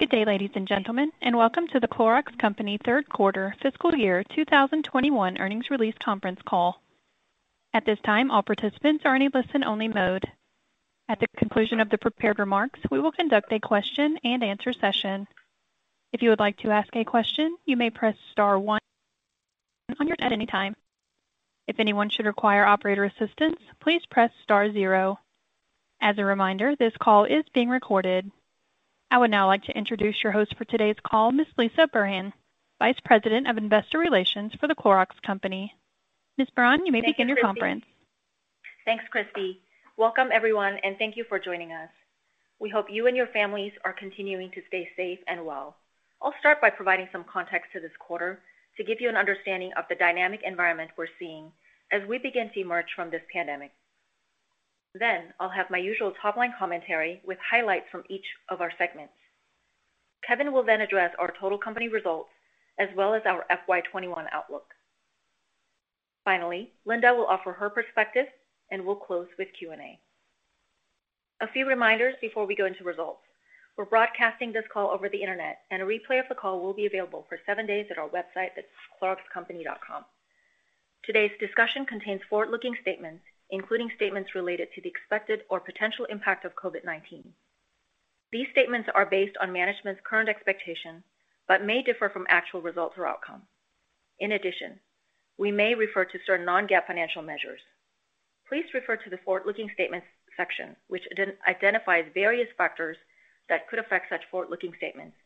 Good day, ladies and gentlemen, welcome to The Clorox Company Third Quarter Fiscal Year 2021 Earnings Release Conference Call. At this time, all participants are in a listen-only mode. At the conclusion of the prepared remarks, we will conduct a question-and-answer session. If you would like to ask a question, you may press star one on your telephone at any time. If anyone should require operator assistance, please press star zero. As a reminder, this call is being recorded. I would now like to introduce your host for today's call, Ms. Lisah Burhan, Vice President of Investor Relations for The Clorox Company. Ms. Burhan, you may begin your conference. Thanks, Christy. Welcome, everyone. Thank you for joining us. We hope you and your families are continuing to stay safe and well. I'll start by providing some context to this quarter to give you an understanding of the dynamic environment we're seeing as we begin to emerge from this pandemic. I'll have my usual top-line commentary with highlights from each of our segments. Kevin will address our total company results as well as our FY 2021 outlook. Finally, Linda will offer her perspective, and we'll close with Q&A. A few reminders before we go into results. We're broadcasting this call over the internet, and a replay of the call will be available for seven days at our website. That's thecloroxcompany.com. Today's discussion contains forward-looking statements, including statements related to the expected or potential impact of COVID-19. These statements are based on management's current expectation but may differ from actual results or outcomes. In addition, we may refer to certain non-GAAP financial measures. Please refer to the forward-looking statements section, which identifies various factors that could affect such forward-looking statements,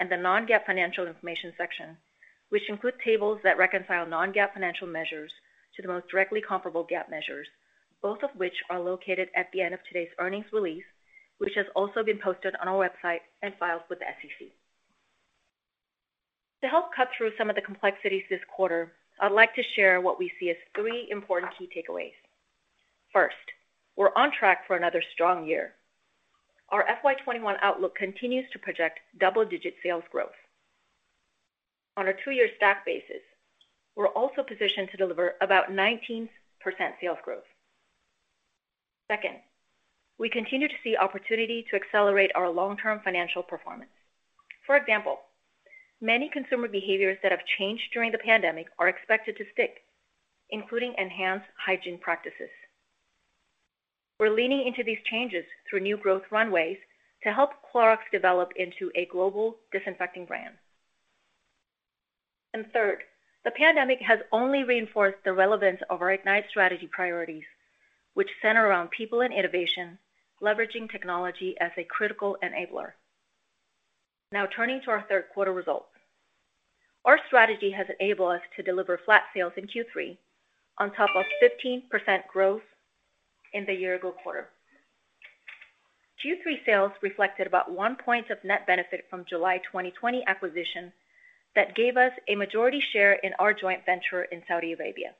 and the non-GAAP financial information section, which includes tables that reconcile non-GAAP financial measures to the most directly comparable GAAP measures, both of which are located at the end of today's earnings release, which has also been posted on our website and filed with the SEC. To help cut through some of the complexities this quarter, I'd like to share what we see as three important key takeaways. First, we're on track for another strong year. Our FY 2021 outlook continues to project double-digit sales growth. On a two-year stack basis, we're also positioned to deliver about 19% sales growth. Second, we continue to see opportunity to accelerate our long-term financial performance. For example, many consumer behaviors that have changed during the pandemic are expected to stick, including enhanced hygiene practices. We're leaning into these changes through new growth runways to help Clorox develop into a global disinfecting brand. Third, the pandemic has only reinforced the relevance of our IGNITE strategy priorities, which center around people and innovation, leveraging technology as a critical enabler. Now turning to our third quarter results. Our strategy has enabled us to deliver flat sales in Q3 on top of 15% growth in the year-ago quarter. Q3 sales reflected about one point of net benefit from July 2020 acquisition that gave us a majority share in our joint venture in Saudi Arabia.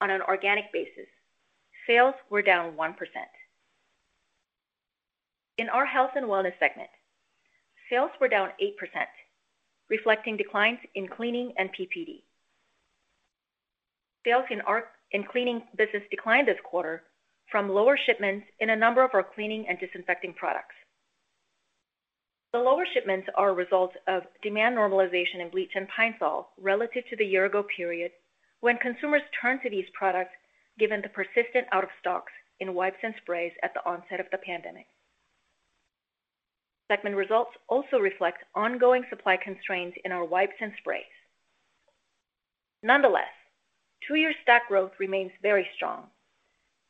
On an organic basis, sales were down 1%. In our Health and Wellness segment, sales were down 8%, reflecting declines in Cleaning and PPD. Sales in Cleaning business declined this quarter from lower shipments in a number of our Cleaning and Disinfecting products. The lower shipments are a result of demand normalization in Bleach and Pine-Sol relative to the year-ago period, when consumers turned to these products given the persistent out of stocks in wipes and sprays at the onset of the pandemic. Segment results also reflect ongoing supply constraints in our wipes and sprays. Nonetheless, two-year stack growth remains very strong,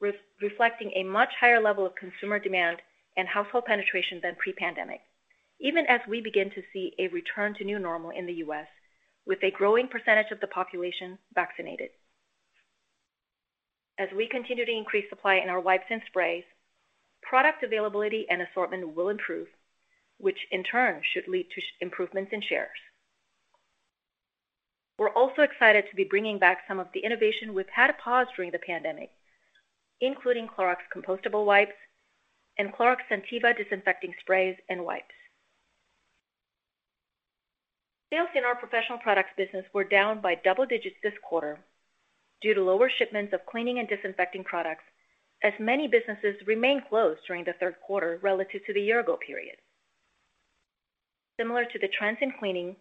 reflecting a much higher level of consumer demand and household penetration than pre-pandemic, even as we begin to see a return to new normal in the U.S. with a growing percentage of the population vaccinated. As we continue to increase supply in our wipes and sprays, product availability and assortment will improve, which in turn should lead to improvements in shares. We're also excited to be bringing back some of the innovation we've had to pause during the pandemic, including Clorox Compostable Wipes and Clorox Scentiva Disinfecting Sprays and Wipes. Sales in our Professional Products business were down by double digits this quarter due to lower shipments of Cleaning and Disinfecting products, as many businesses remained closed during the third quarter relative to the year-ago period. Similar to the trends in Cleaning,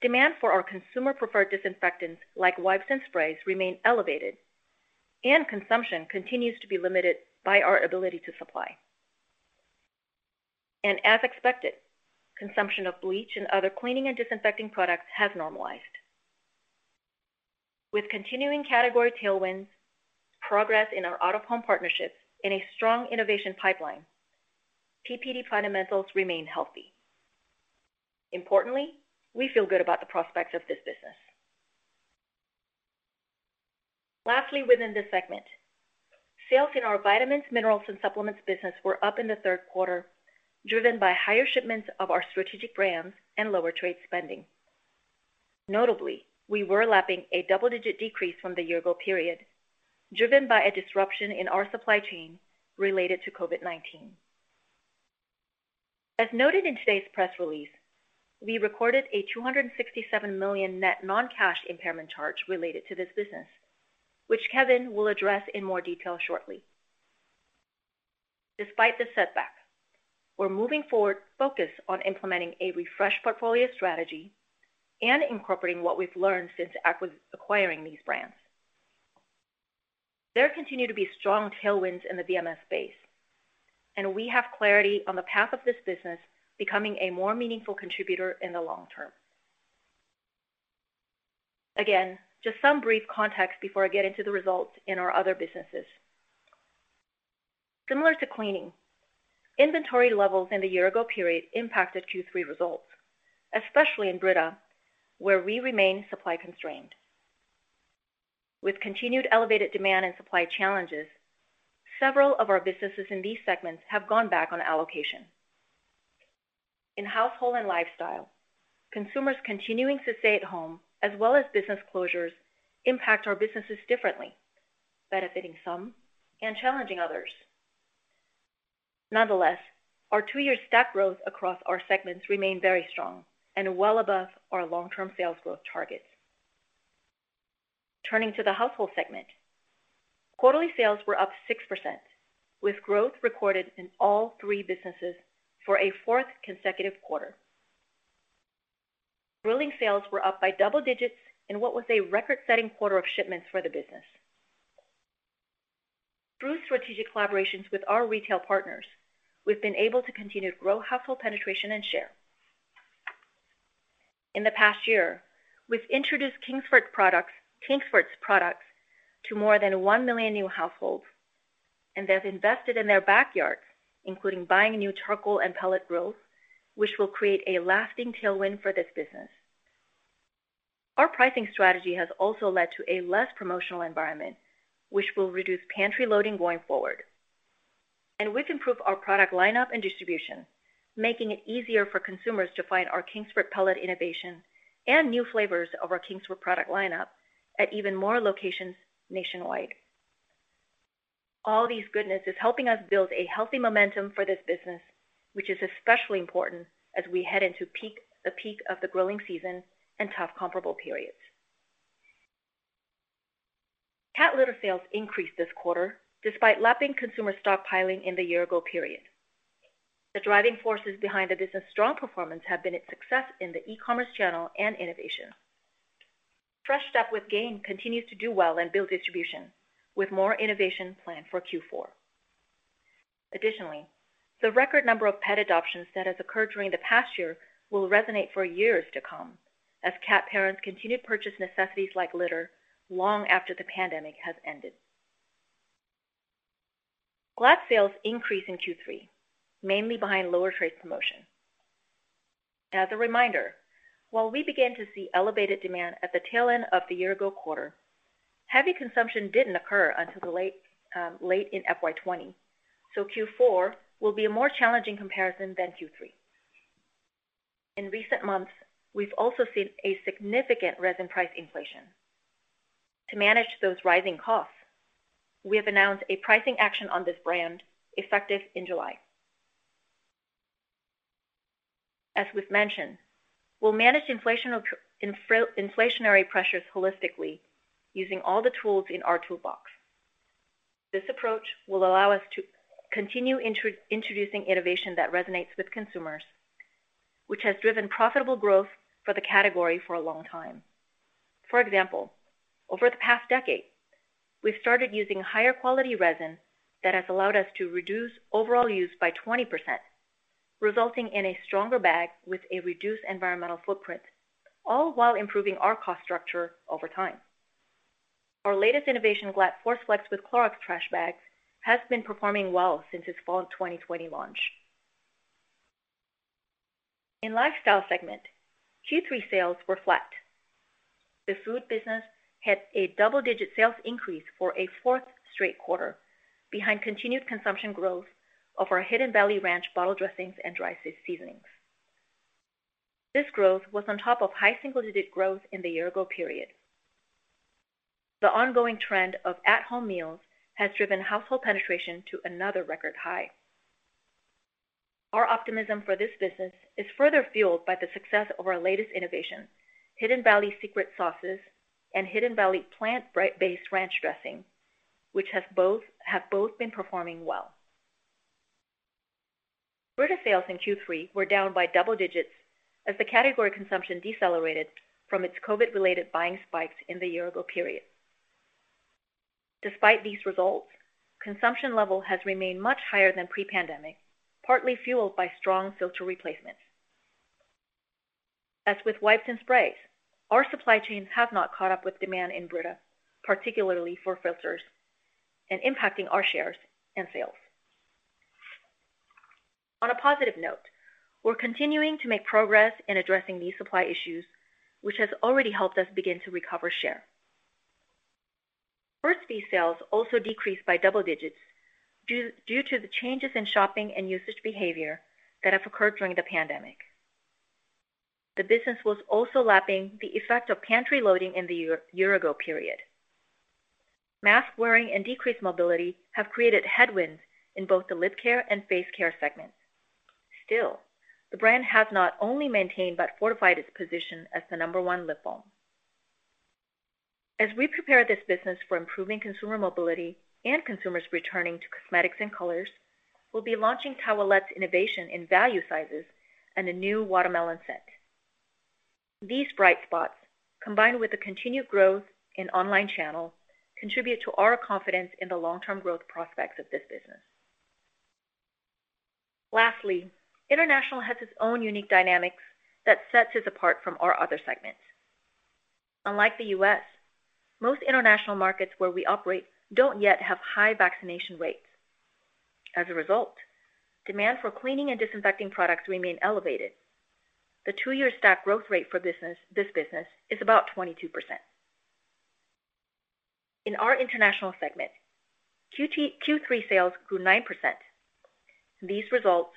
demand for our consumer-preferred disinfectants like wipes and sprays remain elevated, and consumption continues to be limited by our ability to supply. As expected, consumption of bleach and other cleaning and disinfecting products has normalized. With continuing category tailwinds, progress in our out-of-home partnerships, and a strong innovation pipeline, PPD fundamentals remain healthy. Importantly, we feel good about the prospects of this business. Lastly, within this segment, sales in our vitamins, minerals, and supplements business were up in the third quarter, driven by higher shipments of our strategic brands and lower trade spending. Notably, we were lapping a double-digit decrease from the year-ago period, driven by a disruption in our supply chain related to COVID-19. As noted in today's press release, we recorded a $267 million net non-cash impairment charge related to this business, which Kevin will address in more detail shortly. Despite the setback, we're moving forward, focused on implementing a refreshed portfolio strategy and incorporating what we've learned since acquiring these brands. There continue to be strong tailwinds in the VMS space, and we have clarity on the path of this business becoming a more meaningful contributor in the long term. Just some brief context before I get into the results in our other businesses. Similar to Cleaning, inventory levels in the year ago period impacted Q3 results, especially in Brita, where we remain supply constrained. With continued elevated demand and supply challenges, several of our businesses in these segments have gone back on allocation. In household and lifestyle, consumers continuing to stay at home, as well as business closures, impact our businesses differently, benefiting some and challenging others. Nonetheless our two-year stack growth across our segments remain very strong and well above our long-term sales growth targets. Turning to the Household segment, quarterly sales were up 6%, with growth recorded in all three businesses for a fourth consecutive quarter. Grilling sales were up by double digits in what was a record-setting quarter of shipments for the business. Through strategic collaborations with our retail partners, we've been able to continue to grow household penetration and share. In the past year, we've introduced Kingsford's products to more than one million new households, and they've invested in their backyards, including buying new charcoal and pellet grills, which will create a lasting tailwind for this business. Our pricing strategy has also led to a less promotional environment, which will reduce pantry loading going forward. We've improved our product lineup and distribution, making it easier for consumers to find our Kingsford Pellets innovation and new flavors of our Kingsford product lineup at even more locations nationwide. All these goodness is helping us build a healthy momentum for this business, which is especially important as we head into the peak of the grilling season and tough comparable periods. Cat litter sales increased this quarter despite lapping consumer stockpiling in the year-ago period. The driving forces behind the business' strong performance have been its success in the e-commerce channel and innovation. Fresh Step with Gain continues to do well and build distribution, with more innovation planned for Q4. The record number of pet adoptions that has occurred during the past year will resonate for years to come as cat parents continue to purchase necessities like litter long after the pandemic has ended. Glad sales increased in Q3, mainly behind lower trade promotion. As a reminder, while we began to see elevated demand at the tail end of the year-ago quarter, heavy consumption didn't occur until late in FY 2020. Q4 will be a more challenging comparison than Q3. In recent months, we've also seen a significant resin price inflation. To manage those rising costs, we have announced a pricing action on this brand effective in July. As we've mentioned, we'll manage inflationary pressures holistically using all the tools in our toolbox. This approach will allow us to continue introducing innovation that resonates with consumers, which has driven profitable growth for the category for a long time. For example, over the past decade, we've started using higher quality resin that has allowed us to reduce overall use by 20%, resulting in a stronger bag with a reduced environmental footprint, all while improving our cost structure over time. Our latest innovation, Glad ForceFlexPlus with Clorox trash bags, has been performing well since its fall 2020 launch. In Lifestyle segment, Q3 sales were flat. The food business had a double-digit sales increase for a fourth straight quarter behind continued consumption growth of our Hidden Valley Ranch bottle dressings and dry seasonings. This growth was on top of high single-digit growth in the year-ago period. The ongoing trend of at-home meals has driven household penetration to another record high. Our optimism for this business is further fueled by the success of our latest innovation, Hidden Valley Secret Sauces and Hidden Valley Plant Based Ranch Dressing, which have both been performing well. Brita sales in Q3 were down by double digits as the category consumption decelerated from its COVID-19-related buying spikes in the year-ago period. Despite these results, consumption level has remained much higher than pre-pandemic, partly fueled by strong filter replacements. As with wipes and sprays, our supply chains have not caught up with demand in Brita, particularly for filters, and impacting our shares and sales. On a positive note, we're continuing to make progress in addressing these supply issues, which has already helped us begin to recover share. Burt's Bees sales also decreased by double digits due to the changes in shopping and usage behavior that have occurred during the pandemic. The business was also lapping the effect of pantry loading in the year-ago period. Mask wearing and decreased mobility have created headwinds in both the lip care and face care segments. Still, the brand has not only maintained, but fortified its position as the number one lip balm. As we prepare this business for improving consumer mobility and consumers returning to cosmetics and colors, we'll be launching towelette innovation in value sizes and a new watermelon scent. These bright spots, combined with the continued growth in online channels, contribute to our confidence in the long-term growth prospects of this business. International has its own unique dynamics that sets this apart from our other segments. Unlike the U.S., most international markets where we operate don't yet have high vaccination rates. As a result demand for Cleaning and Disinfecting products remain elevated. The two-year stack growth rate for this business is about 22%. In our International segment, Q3 sales grew 9%. These results,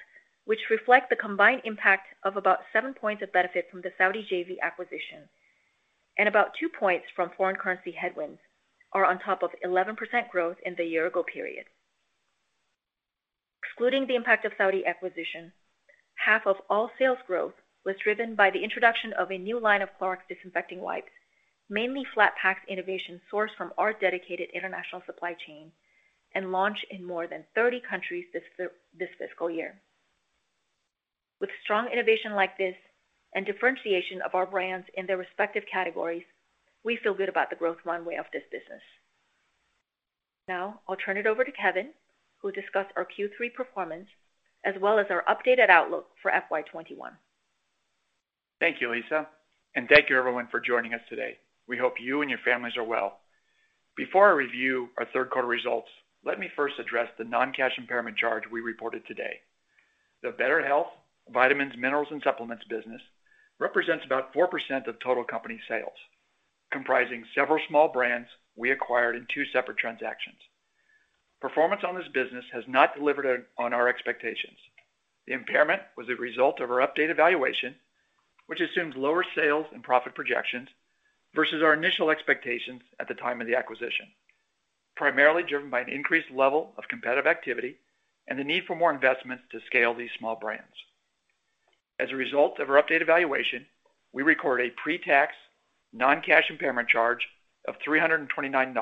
which reflect the combined impact of about seven points of benefit from the Saudi JV acquisition, and about two points from foreign currency headwinds, are on top of 11% growth in the year ago period. Excluding the impact of Saudi acquisition, half of all sales growth was driven by the introduction of a new line of Clorox Disinfecting Wipes, mainly flat-pack innovation sourced from our dedicated international supply chain, and launched in more than 30 countries this fiscal year. With strong innovation like this and differentiation of our brands in their respective categories, we feel good about the growth runway of this business. Now, I'll turn it over to Kevin, who'll discuss our Q3 performance as well as our updated outlook for FY 2021. Thank you, Lisah, and thank you everyone for joining us today. We hope you and your families are well. Before I review our third quarter results, let me first address the non-cash impairment charge we reported today. The Better Health, vitamins, minerals, and supplements business represents about 4% of total company sales, comprising several small brands we acquired in two separate transactions. Performance on this business has not delivered on our expectations. The impairment was a result of our updated valuation, which assumes lower sales and profit projections versus our initial expectations at the time of the acquisition, primarily driven by an increased level of competitive activity and the need for more investments to scale these small brands. As a result of our updated valuation, we record a pre-tax non-cash impairment charge of $329 million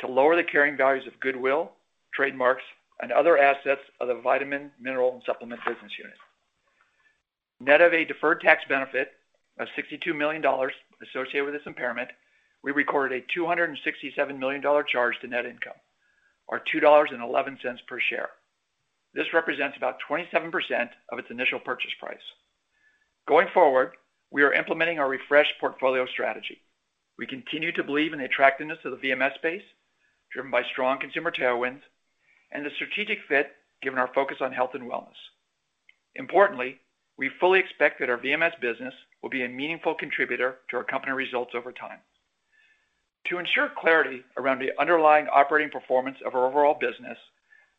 to lower the carrying values of goodwill, trademarks, and other assets of the vitamin, mineral, and supplement business unit. Net of a deferred tax benefit of $62 million associated with this impairment, we recorded a $267 million charge to net income, or $2.11 per share. This represents about 27% of its initial purchase price. Going forward, we are implementing our refreshed portfolio strategy. We continue to believe in the attractiveness of the VMS space, driven by strong consumer tailwinds and the strategic fit given our focus on health and wellness. Importantly, we fully expect that our VMS business will be a meaningful contributor to our company results over time. To ensure clarity around the underlying operating performance of our overall business,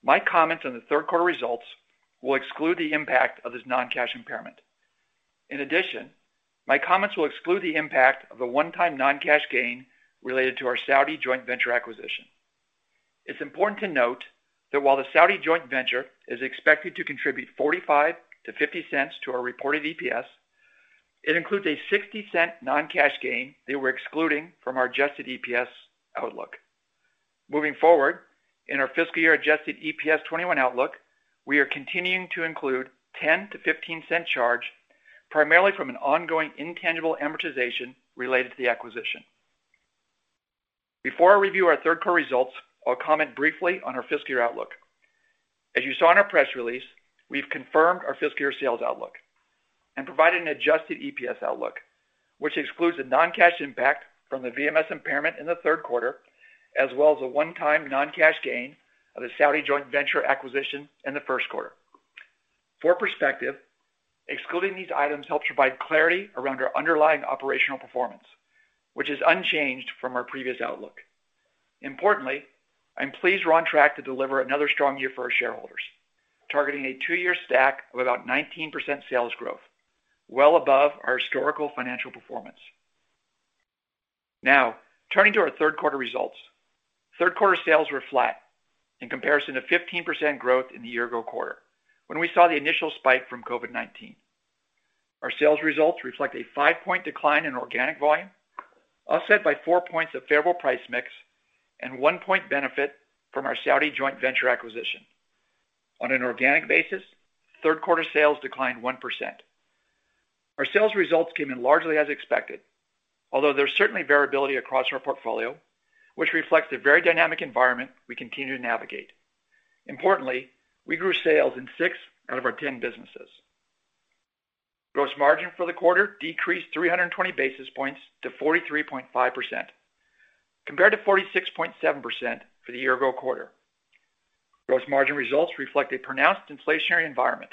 my comments on the third quarter results will exclude the impact of this non-cash impairment. In addition, my comments will exclude the impact of a one-time non-cash gain related to our Saudi joint venture acquisition. It's important to note that while the Saudi joint venture is expected to contribute $0.45-$0.50 to our reported EPS, it includes a $0.60 non-cash gain that we're excluding from our adjusted EPS outlook. Moving forward, in our fiscal year adjusted EPS 2021 outlook, we are continuing to include a $0.10-$0.15 charge, primarily from an ongoing intangible amortization related to the acquisition. Before I review our third quarter results, I'll comment briefly on our fiscal year outlook. As you saw in our press release, we've confirmed our fiscal year sales outlook and provided an adjusted EPS outlook, which excludes the non-cash impact from the VMS impairment in the third quarter, as well as a one-time non-cash gain of the Saudi joint venture acquisition in the first quarter. For perspective, excluding these items helps provide clarity around our underlying operational performance, which is unchanged from our previous outlook. Importantly, I'm pleased we're on track to deliver another strong year for our shareholders, targeting a two-year stack of about 19% sales growth, well above our historical financial performance. Now turning to our third quarter results. Third quarter sales were flat in comparison to 15% growth in the year-ago quarter, when we saw the initial spike from COVID-19. Our sales results reflect a five-point decline in organic volume, offset by four points of favorable price mix and one point benefit from our Saudi joint venture acquisition. On an organic basis, third quarter sales declined 1%. Our sales results came in largely as expected, although there's certainly variability across our portfolio, which reflects the very dynamic environment we continue to navigate. Importantly, we grew sales in six out of our 10 businesses. Gross margin for the quarter decreased 320 basis points to 43.5%, compared to 46.7% for the year ago quarter. Gross margin results reflect a pronounced inflationary environment,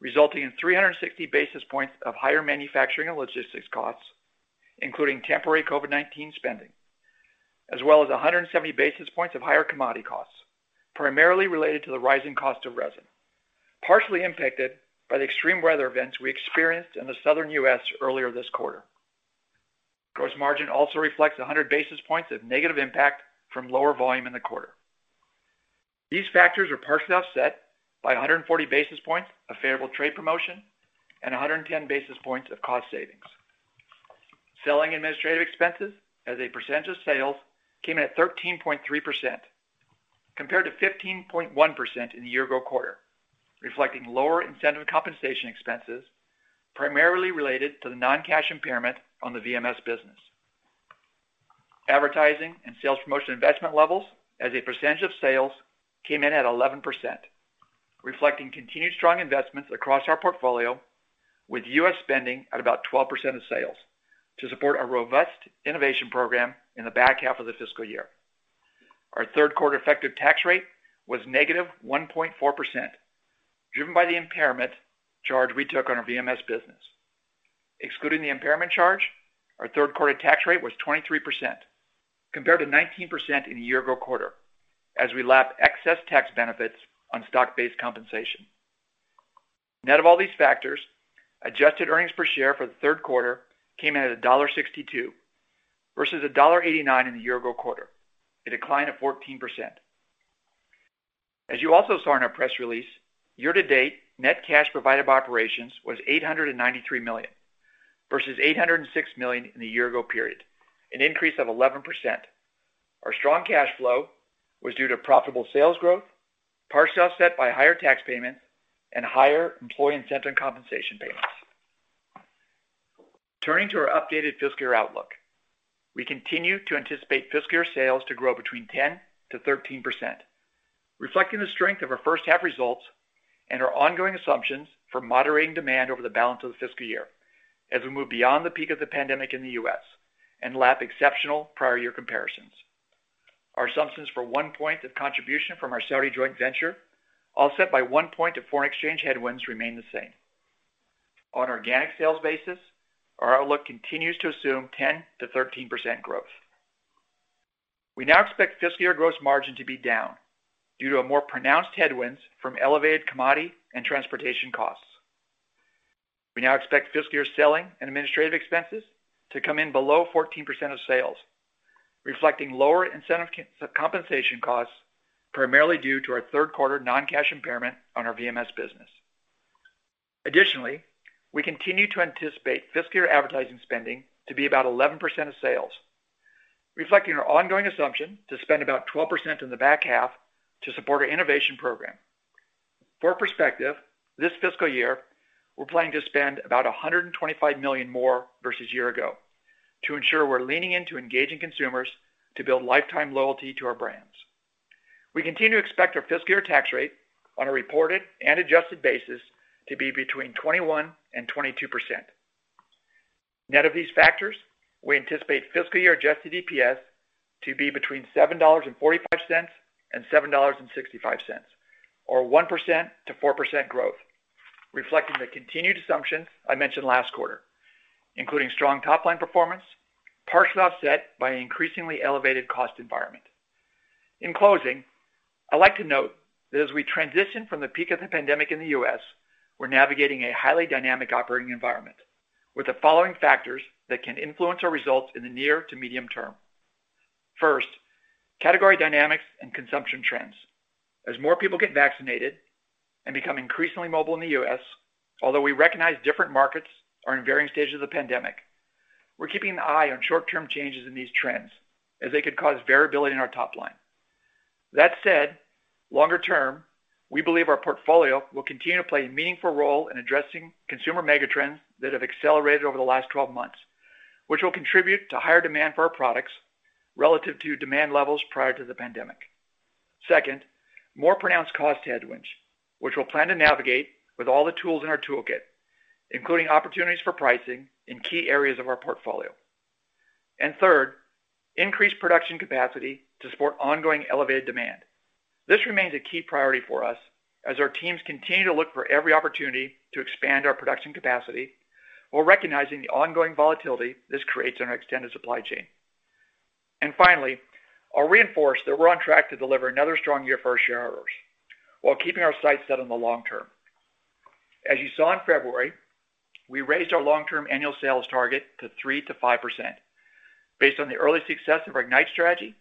resulting in 360 basis points of higher manufacturing and logistics costs, including temporary COVID-19 spending, as well as 170 basis points of higher commodity costs, primarily related to the rising cost of resin, partially impacted by the extreme weather events we experienced in the Southern U.S. earlier this quarter. Gross margin also reflects 100 basis points of negative impact from lower volume in the quarter. These factors are partially offset by 140 basis points of favorable trade promotion and 110 basis points of cost savings. Selling administrative expenses as a percentage of sales came in at 13.3%, compared to 15.1% in the year-ago quarter, reflecting lower incentive compensation expenses, primarily related to the non-cash impairment on the VMS business. Advertising and sales promotion investment levels as a percentage of sales came in at 11%, reflecting continued strong investments across our portfolio, with US spending at about 12% of sales to support our robust innovation program in the back half of the fiscal year. Our third quarter effective tax rate was -1.4%, driven by the impairment charge we took on our VMS business. Excluding the impairment charge, our third quarter tax rate was 23%, compared to 19% in the year-ago quarter, as we lap excess tax benefits on stock-based compensation. Net of all these factors, adjusted earnings per share for the third quarter came in at $1.62, versus $1.89 in the year-ago quarter, a decline of 14%. As you also saw in our press release, year-to-date net cash provided by operations was $893 million, versus $806 million in the year-ago period, an increase of 11%.Our strong cash flow was due to profitable sales growth, partially offset by higher tax payments and higher employee incentive compensation payments. Turning to our updated fiscal year outlook. We continue to anticipate fiscal year sales to grow between 10%-13%, reflecting the strength of our first half results and our ongoing assumptions for moderating demand over the balance of the fiscal year as we move beyond the peak of the pandemic in the U.S. and lap exceptional prior year comparisons. Our assumptions for one point of contribution from our Saudi joint venture, offset by one point of foreign exchange headwinds remain the same. On an organic sales basis, our outlook continues to assume 10%-13% growth. We now expect fiscal year gross margin to be down due to more pronounced headwinds from elevated commodity and transportation costs. We now expect fiscal year selling and administrative expenses to come in below 14% of sales, reflecting lower incentive compensation costs, primarily due to our third quarter non-cash impairment on our VMS business. Additionally, we continue to anticipate fiscal year advertising spending to be about 11% of sales, reflecting our ongoing assumption to spend about 12% in the back half to support our innovation program. For perspective, this fiscal year, we're planning to spend about $125 million more versus year ago to ensure we're leaning into engaging consumers to build lifetime loyalty to our brands. We continue to expect our fiscal year tax rate on a reported and adjusted basis to be between 21% and 22%. Net of these factors, we anticipate fiscal year adjusted EPS to be between $7.45 and $7.65, or 1%-4% growth, reflecting the continued assumptions I mentioned last quarter, including strong top-line performance, partially offset by an increasingly elevated cost environment. In closing, I'd like to note that as we transition from the peak of the pandemic in the U.S., we're navigating a highly dynamic operating environment with the following factors that can influence our results in the near to medium term. First, category dynamics and consumption trends. As more people get vaccinated and become increasingly mobile in the U.S., although we recognize different markets are in varying stages of the pandemic, we're keeping an eye on short-term changes in these trends as they could cause variability in our top line. That said, longer term, we believe our portfolio will continue to play a meaningful role in addressing consumer mega trends that have accelerated over the last 12 months, which will contribute to higher demand for our products relative to demand levels prior to the pandemic. Second, more pronounced cost headwinds, which we'll plan to navigate with all the tools in our toolkit, including opportunities for pricing in key areas of our portfolio. And third, increased production capacity to support ongoing elevated demand. This remains a key priority for us as our teams continue to look for every opportunity to expand our production capacity while recognizing the ongoing volatility this creates in our extended supply chain. And finally, I'll reinforce that we're on track to deliver another strong year for our shareholders while keeping our sights set on the long term. As you saw in February, we raised our long-term annual sales target to 3%-5% based on the early success of our IGNITE strategy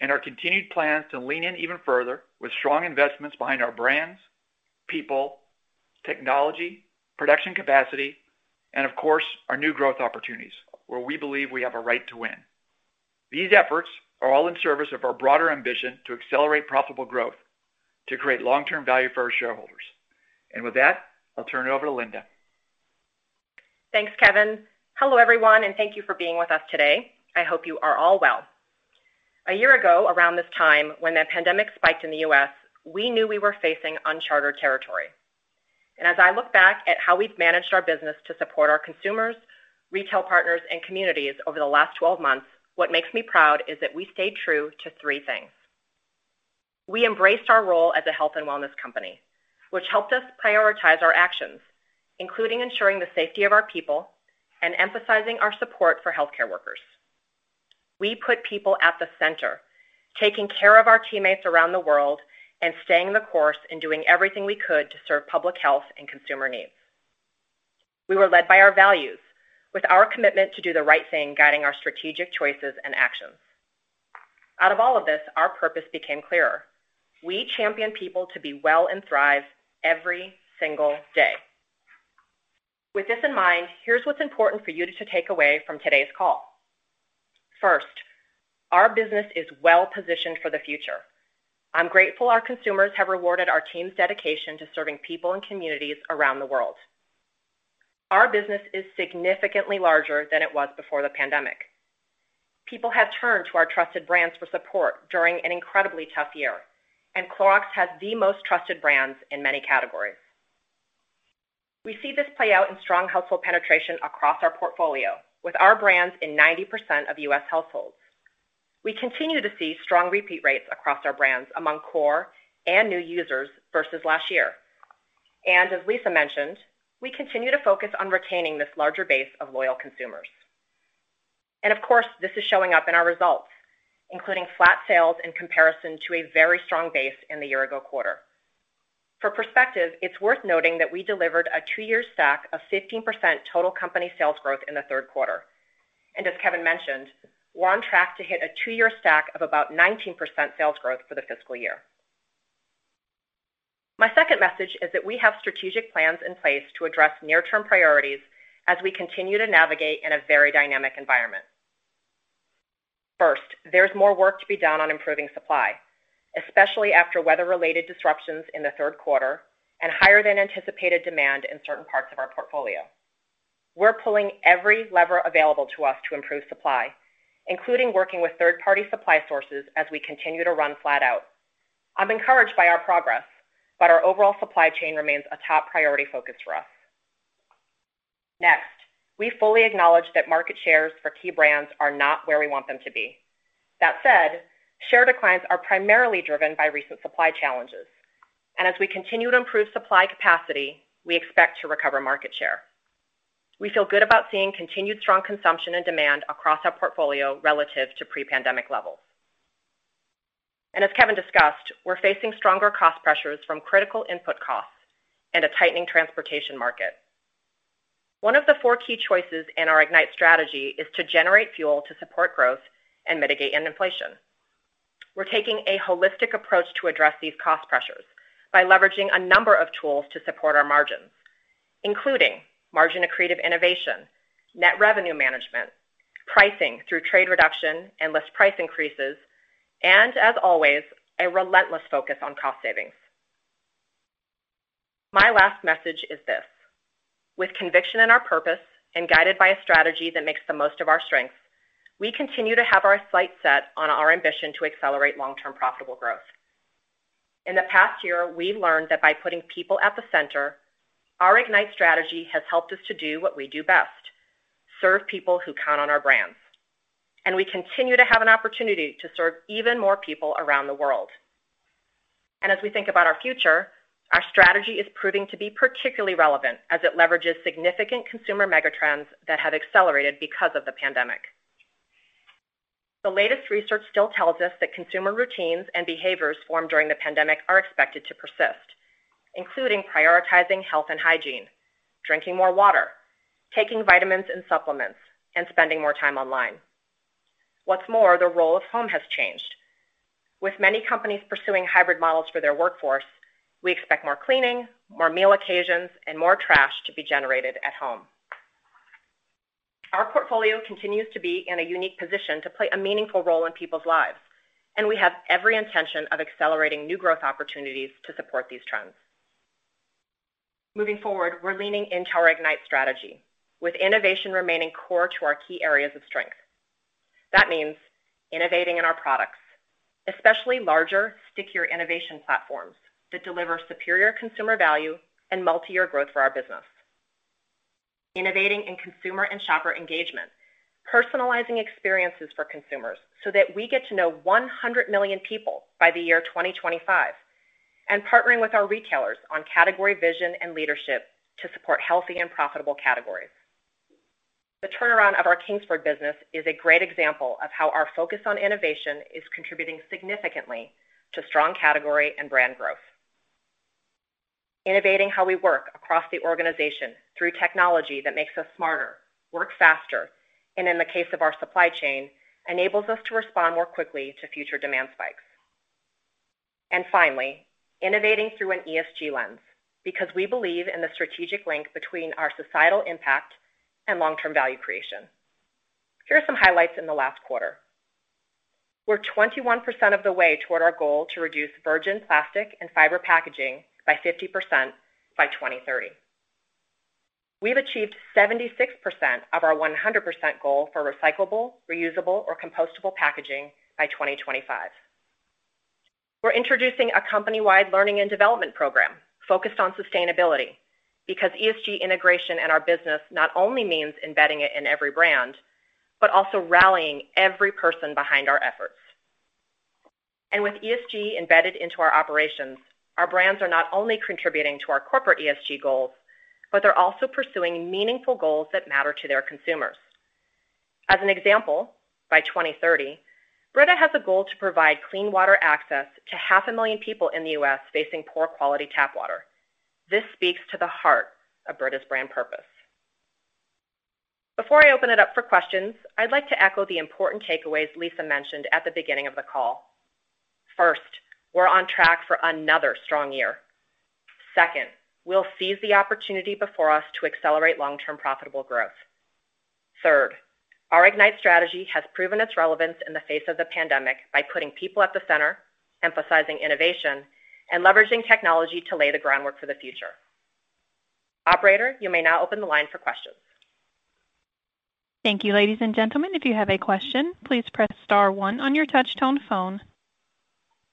and our continued plans to lean in even further with strong investments behind our brands, people, technology, production capacity, and of course, our new growth opportunities, where we believe we have a right to win. These efforts are all in service of our broader ambition to accelerate profitable growth to create long-term value for our shareholders. With that, I'll turn it over to Linda. Thanks, Kevin. Hello, everyone, thank you for being with us today. I hope you are all well. A year ago, around this time, when the pandemic spiked in the U.S., we knew we were facing uncharted territory. As I look back at how we've managed our business to support our consumers, retail partners, and communities over the last 12 months, what makes me proud is that we stayed true to three things. We embraced our role as a health and wellness company, which helped us prioritize our actions, including ensuring the safety of our people and emphasizing our support for healthcare workers. We put people at the center, taking care of our teammates around the world and staying the course and doing everything we could to serve public health and consumer needs. We were led by our values, with our commitment to do the right thing, guiding our strategic choices and actions. Out of all of this, our purpose became clearer. We champion people to be well and thrive every single day. With this in mind, here's what's important for you to take away from today's call. First, our business is well-positioned for the future. I'm grateful our consumers have rewarded our team's dedication to serving people and communities around the world. Our business is significantly larger than it was before the pandemic. People have turned to our trusted brands for support during an incredibly tough year, and Clorox has the most trusted brands in many categories. We see this play out in strong household penetration across our portfolio with our brands in 90% of US households. We continue to see strong repeat rates across our brands among core and new users versus last year. As Lisah mentioned, we continue to focus on retaining this larger base of loyal consumers. Of course, this is showing up in our results, including flat sales in comparison to a very strong base in the year-ago quarter. For perspective, it's worth noting that we delivered a two-year stack of 15% total company sales growth in the third quarter. And as Kevin mentioned, we're on track to hit a two-year stack of about 19% sales growth for the fiscal year. My second message is that we have strategic plans in place to address near-term priorities as we continue to navigate in a very dynamic environment. First, there's more work to be done on improving supply, especially after weather-related disruptions in the third quarter and higher than anticipated demand in certain parts of our portfolio. We're pulling every lever available to us to improve supply, including working with third-party supply sources as we continue to run flat out. I'm encouraged by our progress, but our overall supply chain remains a top priority focus for us. Next we fully acknowledge that market shares for key brands are not where we want them to be. That said, share declines are primarily driven by recent supply challenges. As we continue to improve supply capacity, we expect to recover market share. We feel good about seeing continued strong consumption and demand across our portfolio relative to pre-pandemic levels. And as Kevin discussed, we're facing stronger cost pressures from critical input costs and a tightening transportation market. One of the four key choices in our IGNITE strategy is to generate fuel to support growth and mitigate inflation. We're taking a holistic approach to address these cost pressures by leveraging a number of tools to support our margins, including margin-accretive innovation, net revenue management, pricing through trade reduction and list price increases, and as always, a relentless focus on cost savings. My last message is this. With conviction in our purpose and guided by a strategy that makes the most of our strengths, we continue to have our sights set on our ambition to accelerate long-term profitable growth. In the past year, we've learned that by putting people at the center, our IGNITE strategy has helped us to do what we do best, serve people who count on our brands, and we continue to have an opportunity to serve even more people around the world. And as we think about our future, our strategy is proving to be particularly relevant as it leverages significant consumer megatrends that have accelerated because of the pandemic. The latest research still tells us that consumer routines and behaviors formed during the pandemic are expected to persist, including prioritizing health and hygiene, drinking more water, taking vitamins and supplements, and spending more time online. What's more, the role of home has changed. With many companies pursuing hybrid models for their workforce, we expect more cleaning, more meal occasions, and more trash to be generated at home. Our portfolio continues to be in a unique position to play a meaningful role in people's lives, and we have every intention of accelerating new growth opportunities to support these trends. Moving forward, we're leaning into our IGNITE strategy, with innovation remaining core to our key areas of strength. That means innovating in our products, especially larger, stickier innovation platforms that deliver superior consumer value and multiyear growth for our business. Innovating in consumer and shopper engagement, personalizing experiences for consumers so that we get to know 100 million people by the year 2025, and partnering with our retailers on category vision and leadership to support healthy and profitable categories. The turnaround of our Kingsford business is a great example of how our focus on innovation is contributing significantly to strong category and brand growth. Innovating how we work across the organization through technology that makes us smarter, work faster, and in the case of our supply chain, enables us to respond more quickly to future demand spikes. Finally, innovating through an ESG lens because we believe in the strategic link between our societal impact and long-term value creation. Here are some highlights in the last quarter. We're 21% of the way toward our goal to reduce virgin plastic and fiber packaging by 50% by 2030. We've achieved 76% of our 100% goal for recyclable, reusable, or compostable packaging by 2025. We're introducing a company-wide learning and development program focused on sustainability because ESG integration in our business not only means embedding it in every brand, but also rallying every person behind our efforts. With ESG embedded into our operations, our brands are not only contributing to our corporate ESG goals, but they're also pursuing meaningful goals that matter to their consumers. As an example, by 2030, Brita has a goal to provide clean water access to half a million people in the U.S. facing poor quality tap water. This speaks to the heart of Brita's brand purpose. Before I open it up for questions, I'd like to echo the important takeaways Lisah mentioned at the beginning of the call. First, we're on track for another strong year. Second, we'll seize the opportunity before us to accelerate long-term profitable growth. Third, our IGNITE strategy has proven its relevance in the face of the pandemic by putting people at the center, emphasizing innovation, and leveraging technology to lay the groundwork for the future. Operator, you may now open the line for questions. Thank you, ladies and gentlemen. If you have a question, please press star one on your touch-tone phone.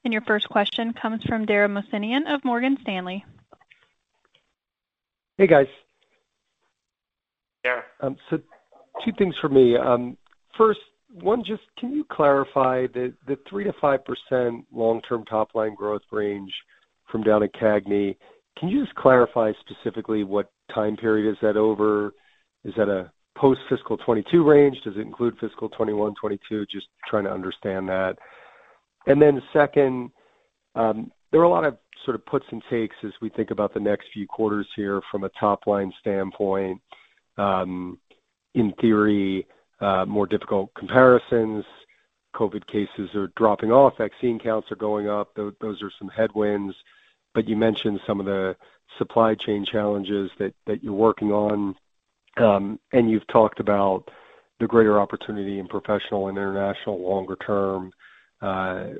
And your first question comes from Dara Mohsenian of Morgan Stanley. Hey, guys. Dara. Two things for me. First one, just can you clarify the 3%-5% long-term top-line growth range from down at CAGNY. Can you just clarify specifically what time period is that over? Is that a post-fiscal 2022 range? Does it include fiscal 2021, 2022? Just trying to understand that. Second, there are a lot of sort of puts and takes as we think about the next few quarters here from a top-line standpoint. In theory, more difficult comparisons. COVID cases are dropping off. Vaccine counts are going up. Those are some headwinds. But you mentioned some of the supply chain challenges that you're working on. You've talked about the greater opportunity in Professional and International longer term,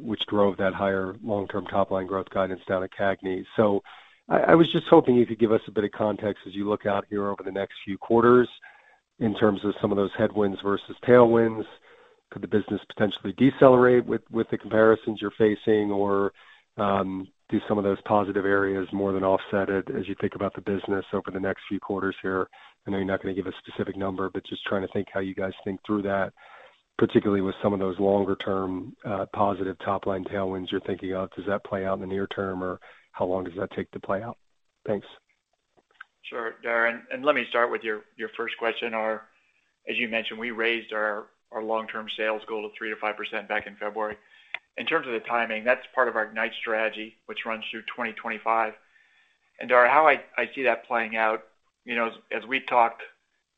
which drove that higher long-term top-line growth guidance down at CAGNY. So I was just hoping you could give us a bit of context as you look out here over the next few quarters in terms of some of those headwinds versus tailwinds. Could the business potentially decelerate with the comparisons you're facing, or do some of those positive areas more than offset it as you think about the business over the next few quarters here? I know you're not going to give a specific number, but just trying to think how you guys think through that, particularly with some of those longer-term positive top-line tailwinds you're thinking of. Does that play out in the near term, or how long does that take to play out? Thanks. Sure, Dara. Let me start with your first question. As you mentioned, we raised our long-term sales goal of 3%-5% back in February. In terms of the timing, that's part of our IGNITE strategy, which runs through 2025. Dara, how I see that playing out, as we talked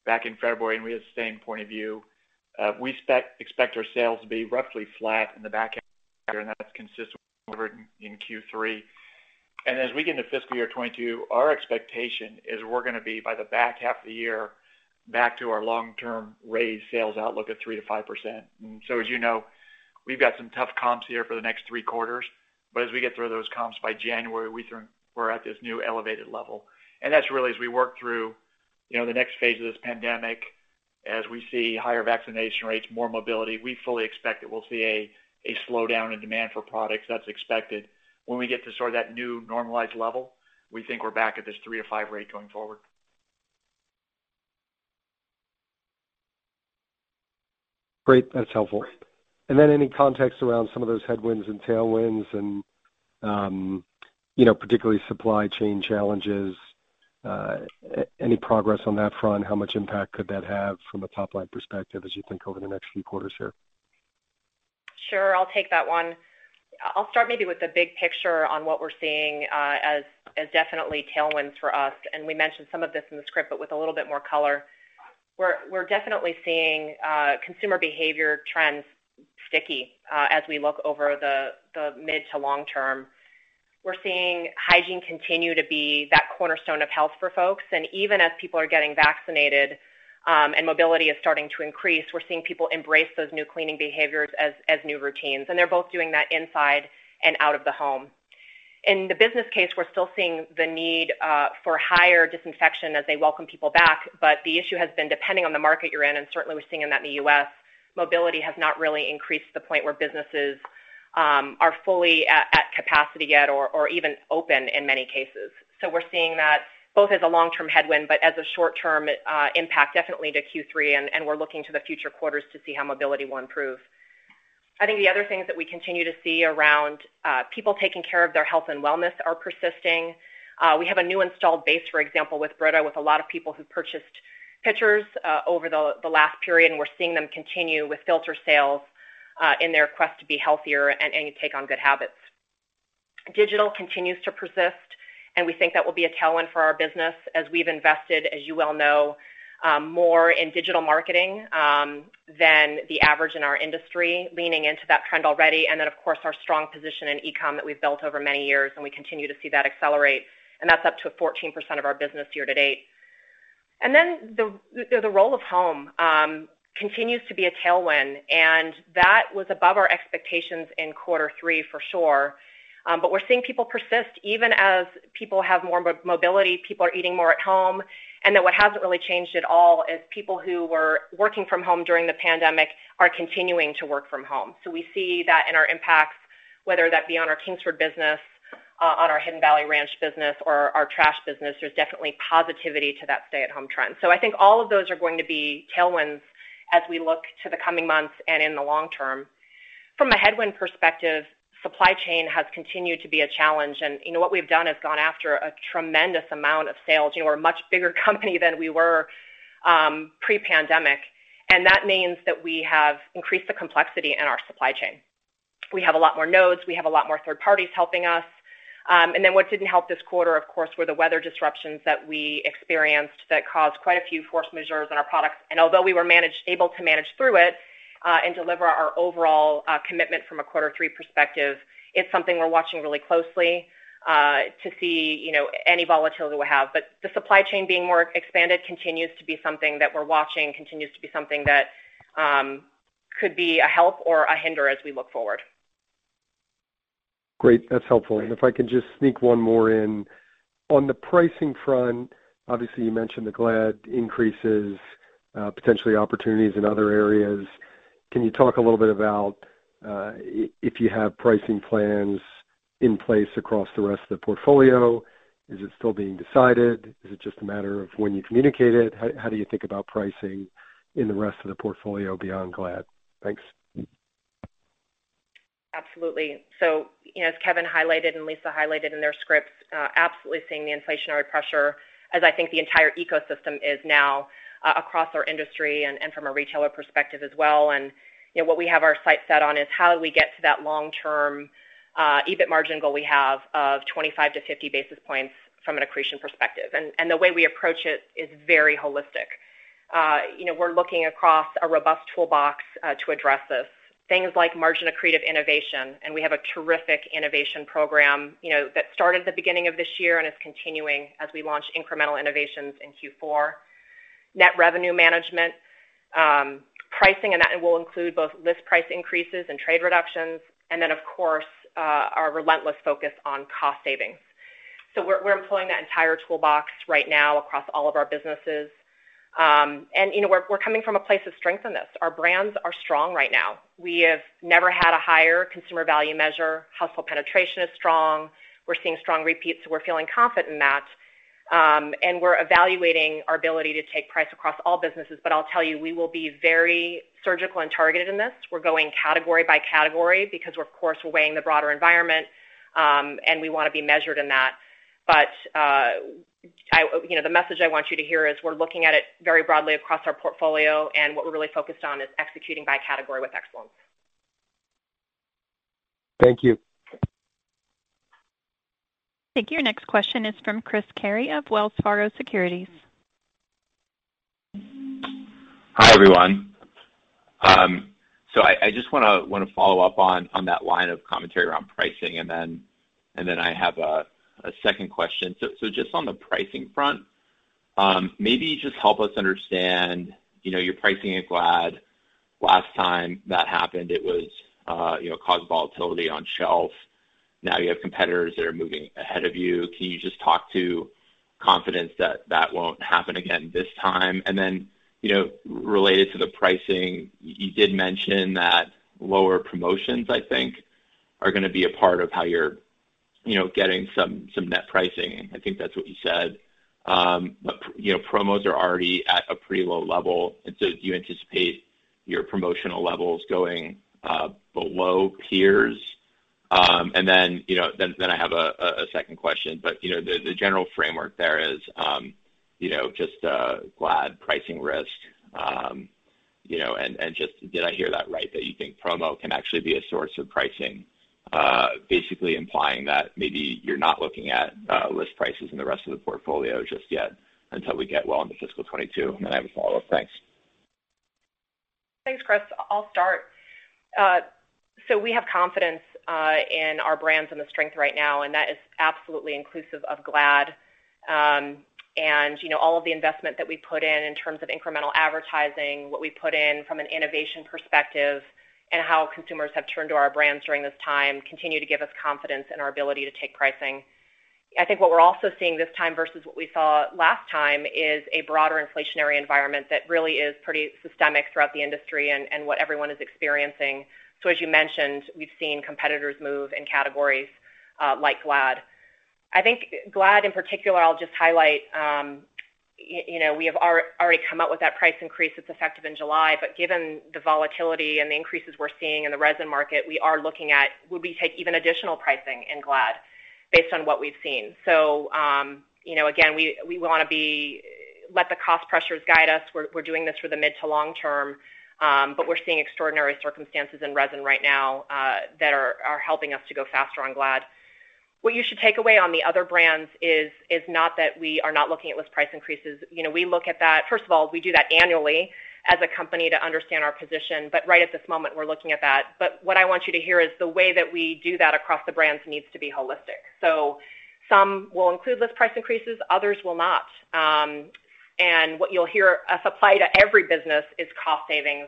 back in February, and we had the same point of view, we expect our sales to be roughly flat in the back half of the year, and that's consistent with what we've earned in Q3. As we get into fiscal year 2022, our expectation is we're going to be, by the back half of the year, back to our long-term raised sales outlook of 3%-5%. As you know, we've got some tough comps here for the next three quarters. As we get through those comps by January, we're at this new elevated level. That's really as we work through the next phase of this pandemic, as we see higher vaccination rates, more mobility. We fully expect that we'll see a slowdown in demand for products. That's expected. When we get to sort of that new normalized level, we think we're back at this 3% or 5% rate going forward. Great. That's helpful. Then any context around some of those headwinds and tailwinds and particularly supply chain challenges? Any progress on that front? How much impact could that have from a top-line perspective as you think over the next few quarters here? Sure. I'll take that one. I'll start maybe with the big picture on what we're seeing as definitely tailwinds for us, and we mentioned some of this in the script, but with a little bit more color. We're definitely seeing consumer behavior trends sticky as we look over the mid to long term. We're seeing hygiene continue to be that cornerstone of health for folks, and even as people are getting vaccinated and mobility is starting to increase, we're seeing people embrace those new cleaning behaviors as new routines, and they're both doing that inside and out of the home. In the business case, we're still seeing the need for higher disinfection as they welcome people back. The issue has been depending on the market you're in, and certainly we're seeing that in the U.S., mobility has not really increased to the point where businesses are fully at capacity yet or even open in many cases. We're seeing that both as a long-term headwind, but as a short-term impact definitely into Q3. We're looking to the future quarters to see how mobility will improve. I think the other things that we continue to see around people taking care of their health and wellness are persisting. We have a new installed base, for example, with Brita, with a lot of people who purchased pitchers over the last period, and we're seeing them continue with filter sales in their quest to be healthier and take on good habits. Digital continues to persist. We think that will be a tailwind for our business as we've invested, as you well know, more in digital marketing than the average in our industry, leaning into that trend already. Of course, our strong position in e-com that we've built over many years. We continue to see that accelerate. That's up to 14% of our business year to date. And then the role of home continues to be a tailwind. That was above our expectations in quarter three for sure. We're seeing people persist. Even as people have more mobility, people are eating more at home. What hasn't really changed at all is people who were working from home during the pandemic are continuing to work from home. We see that in our impacts, whether that be on our Kingsford business, on our Hidden Valley Ranch business or our trash business, there's definitely positivity to that stay-at-home trend. I think all of those are going to be tailwinds as we look to the coming months and in the long term. From a headwind perspective, supply chain has continued to be a challenge, and what we've done is gone after a tremendous amount of sales. We're a much bigger company than we were pre-pandemic, and that means that we have increased the complexity in our supply chain. We have a lot more nodes. We have a lot more third parties helping us. What didn't help this quarter, of course, were the weather disruptions that we experienced that caused quite a few force majeures in our products. Although we were able to manage through it and deliver our overall commitment from a quarter three perspective, it's something we're watching really closely to see any volatility we have. But the supply chain being more expanded continues to be something that we're watching, continues to be something that could be a help or a hinder as we look forward. Great. That's helpful. If I could just sneak one more in. On the pricing front, obviously, you mentioned the Glad increases, potentially opportunities in other areas. Can you talk a little bit about if you have pricing plans in place across the rest of the portfolio? Is it still being decided? Is it just a matter of when you communicate it? How do you think about pricing in the rest of the portfolio beyond Glad? Thanks. Absolutely. As Kevin highlighted and Lisah highlighted in their scripts, absolutely seeing the inflationary pressure as I think the entire ecosystem is now across our industry and from a retailer perspective as well. What we have our sights set on is how do we get to that long-term EBIT margin goal we have of 25-50 basis points from an accretion perspective. The way we approach it is very holistic. We're looking across a robust toolbox to address this. Things like margin accretive innovation, and we have a terrific innovation program that started at the beginning of this year and is continuing as we launch incremental innovations in Q4. Net revenue management. Pricing, and that will include both list price increases and trade reductions. Then, of course, our relentless focus on cost savings. We're employing that entire toolbox right now across all of our businesses. We're coming from a place of strength in this. Our brands are strong right now. We have never had a higher consumer value measure. Household penetration is strong. We're seeing strong repeats, so we're feeling confident in that. And we're evaluating our ability to take price across all businesses. I'll tell you, we will be very surgical and targeted in this. We're going category by category because we're, of course, weighing the broader environment, and we want to be measured in that. The message I want you to hear is we're looking at it very broadly across our portfolio, and what we're really focused on is executing by category with excellence. Thank you. I think your next question is from Chris Carey of Wells Fargo Securities. Hi, everyone. I just want to follow up on that line of commentary around pricing, and then I have a second question. Just on the pricing front, maybe just help us understand, you're pricing at Glad. Last time that happened, it caused volatility on shelf. Now you have competitors that are moving ahead of you. Can you just talk to confidence that that won't happen again this time? Related to the pricing, you did mention that lower promotions, I think, are going to be a part of how you're getting some net pricing. I think that's what you said. Promos are already at a pretty low level. Do you anticipate your promotional levels going below peers? I have a second question, but the general framework there is just Glad pricing risk. Just did I hear that right, that you think promo can actually be a source of pricing, basically implying that maybe you're not looking at list prices in the rest of the portfolio just yet until we get well into fiscal 2022? Then I have a follow-up. Thanks. Thanks, Chris. I'll start. We have confidence in our brands and the strength right now, and that is absolutely inclusive of Glad. All of the investment that we put in terms of incremental advertising, what we put in from an innovation perspective and how consumers have turned to our brands during this time, continue to give us confidence in our ability to take pricing. I think what we're also seeing this time versus what we saw last time is a broader inflationary environment that really is pretty systemic throughout the industry and what everyone is experiencing. As you mentioned, we've seen competitors move in categories like Glad. I think Glad, in particular, I'll just highlight, we have already come out with that price increase that's effective in July. Given the volatility and the increases we're seeing in the resin market, we are looking at would we take even additional pricing in Glad based on what we've seen. Again, we want to let the cost pressures guide us. We're doing this for the mid to long term. We're seeing extraordinary circumstances in resin right now that are helping us to go faster on Glad. What you should take away on the other brands is not that we are not looking at list price increases. You know we look at that, first of all, we do that annually as a company to understand our position. Right at this moment, we're looking at that. But what I want you to hear is the way that we do that across the brands needs to be holistic. Some will include list price increases, others will not. And what you'll hear us apply to every business is cost savings.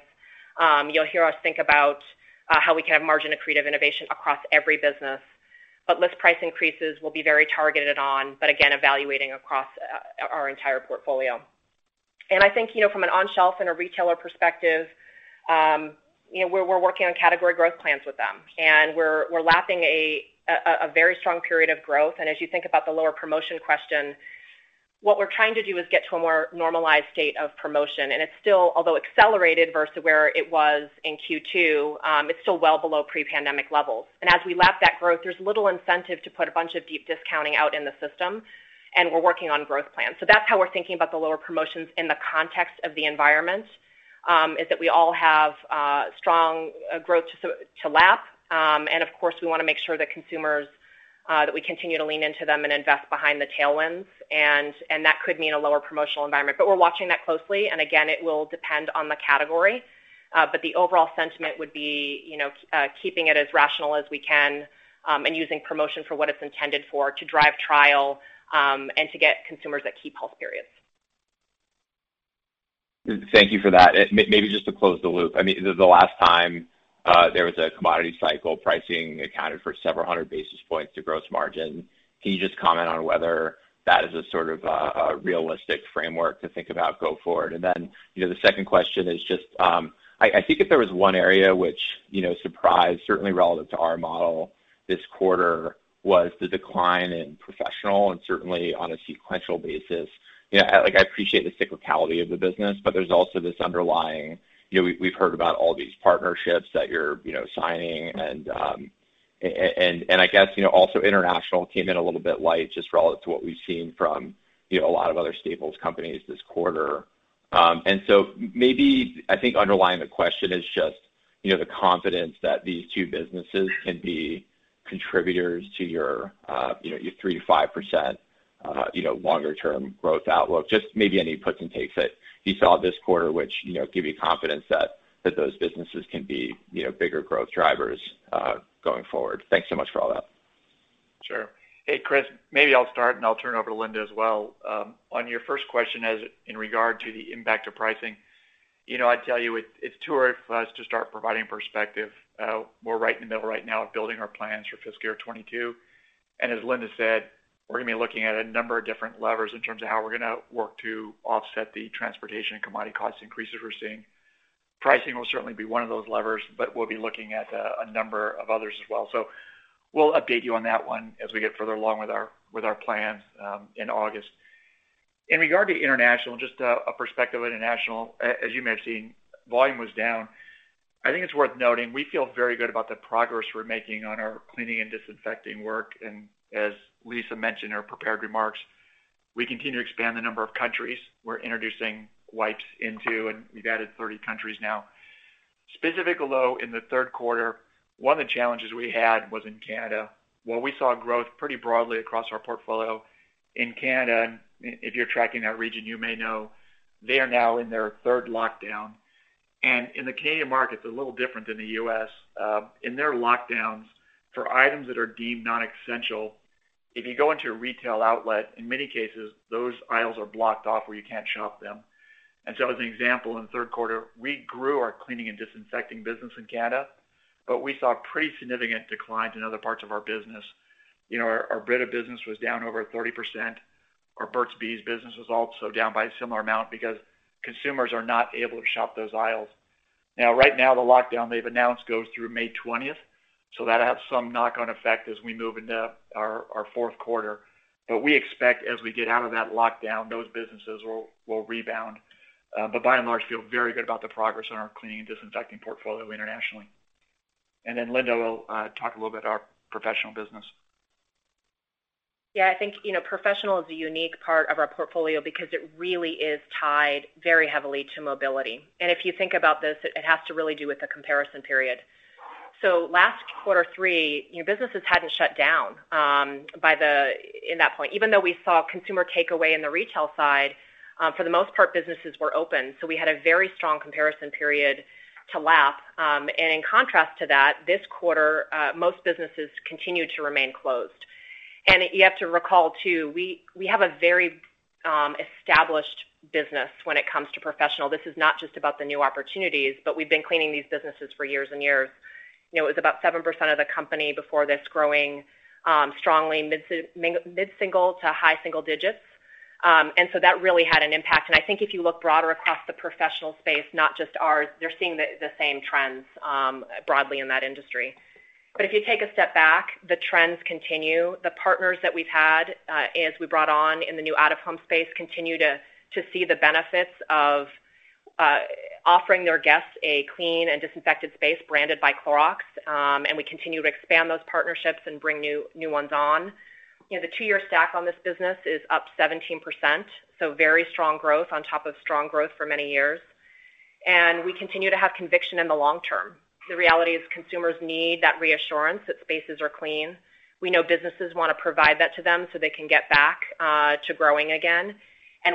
You'll hear us think about how we can have margin accretive innovation across every business. List price increases will be very targeted on, but again, evaluating across our entire portfolio. I think from an on-shelf and a retailer perspective, we're working on category growth plans with them, and we're lapping a very strong period of growth. As you think about the lower promotion question, what we're trying to do is get to a more normalized state of promotion, and it's still, although accelerated versus where it was in Q2, it's still well below pre-pandemic levels. And as we lap that growth, there's little incentive to put a bunch of deep discounting out in the system, and we're working on growth plans. That's how we're thinking about the lower promotions in the context of the environment, is that we all have strong growth to lap. And of course, we want to make sure that we continue to lean into them and invest behind the tailwinds, and that could mean a lower promotional environment. We're watching that closely, and again, it will depend on the category. The overall sentiment would be keeping it as rational as we can, and using promotion for what it's intended for, to drive trial, and to get consumers at key pulse periods. Thank you for that. Maybe just to close the loop. The last time there was a commodity cycle, pricing accounted for several hundred basis points to gross margin. Can you just comment on whether that is a sort of a realistic framework to think about go forward? Then, the second question is just, I think if there was one area which surprised, certainly relative to our model this quarter, was the decline in Professional and certainly on a sequential basis. I appreciate the cyclicality of the business, but there's also this underlying, we've heard about all these partnerships that you're signing, and I guess, also International came in a little bit light just relative to what we've seen from a lot of other staples companies this quarter? Maybe, I think underlying the question is just the confidence that these two businesses can be contributors to your 3%-5% longer-term growth outlook. Just maybe any puts and takes that you saw this quarter which give you confidence that those businesses can be bigger growth drivers, going forward. Thanks so much for all that. Sure. Hey, Chris, maybe I'll start and I'll turn it over to Linda as well. On your first question in regard to the impact of pricing, I'd tell you it's too early for us to start providing perspective. We're right in the middle right now of building our plans for fiscal year 2022. And as Linda said, we're going to be looking at a number of different levers in terms of how we're going to work to offset the transportation and commodity cost increases we're seeing. Pricing will certainly be one of those levers, but we'll be looking at a number of others as well. We'll update you on that one as we get further along with our plans in August. In regard to International, just a perspective on International, as you may have seen, volume was down. I think it's worth noting, we feel very good about the progress we're making on our cleaning and disinfecting work, and as Lisah mentioned in her prepared remarks, we continue to expand the number of countries we're introducing wipes into, and we've added 30 countries now. Specific, although, in the third quarter, one of the challenges we had was in Canada, where we saw growth pretty broadly across our portfolio. In Canada, if you're tracking that region, you may know they are now in their third lockdown. In the Canadian market, they're a little different than the U.S. In their lockdowns, for items that are deemed non-essential, if you go into a retail outlet, in many cases, those aisles are blocked off where you can't shop them. As an example, in the third quarter, we grew our Cleaning and Disinfecting business in Canada, but we saw pretty significant declines in other parts of our business. Our Brita business was down over 30%, our Burt's Bees business was also down by a similar amount because consumers are not able to shop those aisles. Right now, the lockdown they've announced goes through May 20th, so that'll have some knock-on effect as we move into our fourth quarter. We expect as we get out of that lockdown, those businesses will rebound. By and large, feel very good about the progress on our Cleaning and Disinfecting portfolio internationally. Linda will talk a little bit our Professional business. Yeah, I think Professional is a unique part of our portfolio because it really is tied very heavily to mobility. If you think about this, it has to really do with the comparison period. Last Q3, businesses hadn't shut down in that point. Even though we saw consumer takeaway in the retail side, for the most part, businesses were open, so we had a very strong comparison period to lap. In contrast to that, this quarter, most businesses continued to remain closed. You have to recall, too, we have a very established business when it comes to Professional. This is not just about the new opportunities, but we've been cleaning these businesses for years and years. It was about 7% of the company before this, growing strongly, mid-single to high single digits. That really had an impact. And I think if you look broader across the Professional space, not just ours, they're seeing the same trends broadly in that industry. If you take a step back, the trends continue. The partners that we've had as we brought on in the new out-of-home space continue to see the benefits of offering their guests a clean and disinfected space branded by Clorox, and we continue to expand those partnerships and bring new ones on. The two-year stack on this business is up 17%, so very strong growth on top of strong growth for many years. We continue to have conviction in the long term. The reality is consumers need that reassurance that spaces are clean. We know businesses want to provide that to them so they can get back to growing again.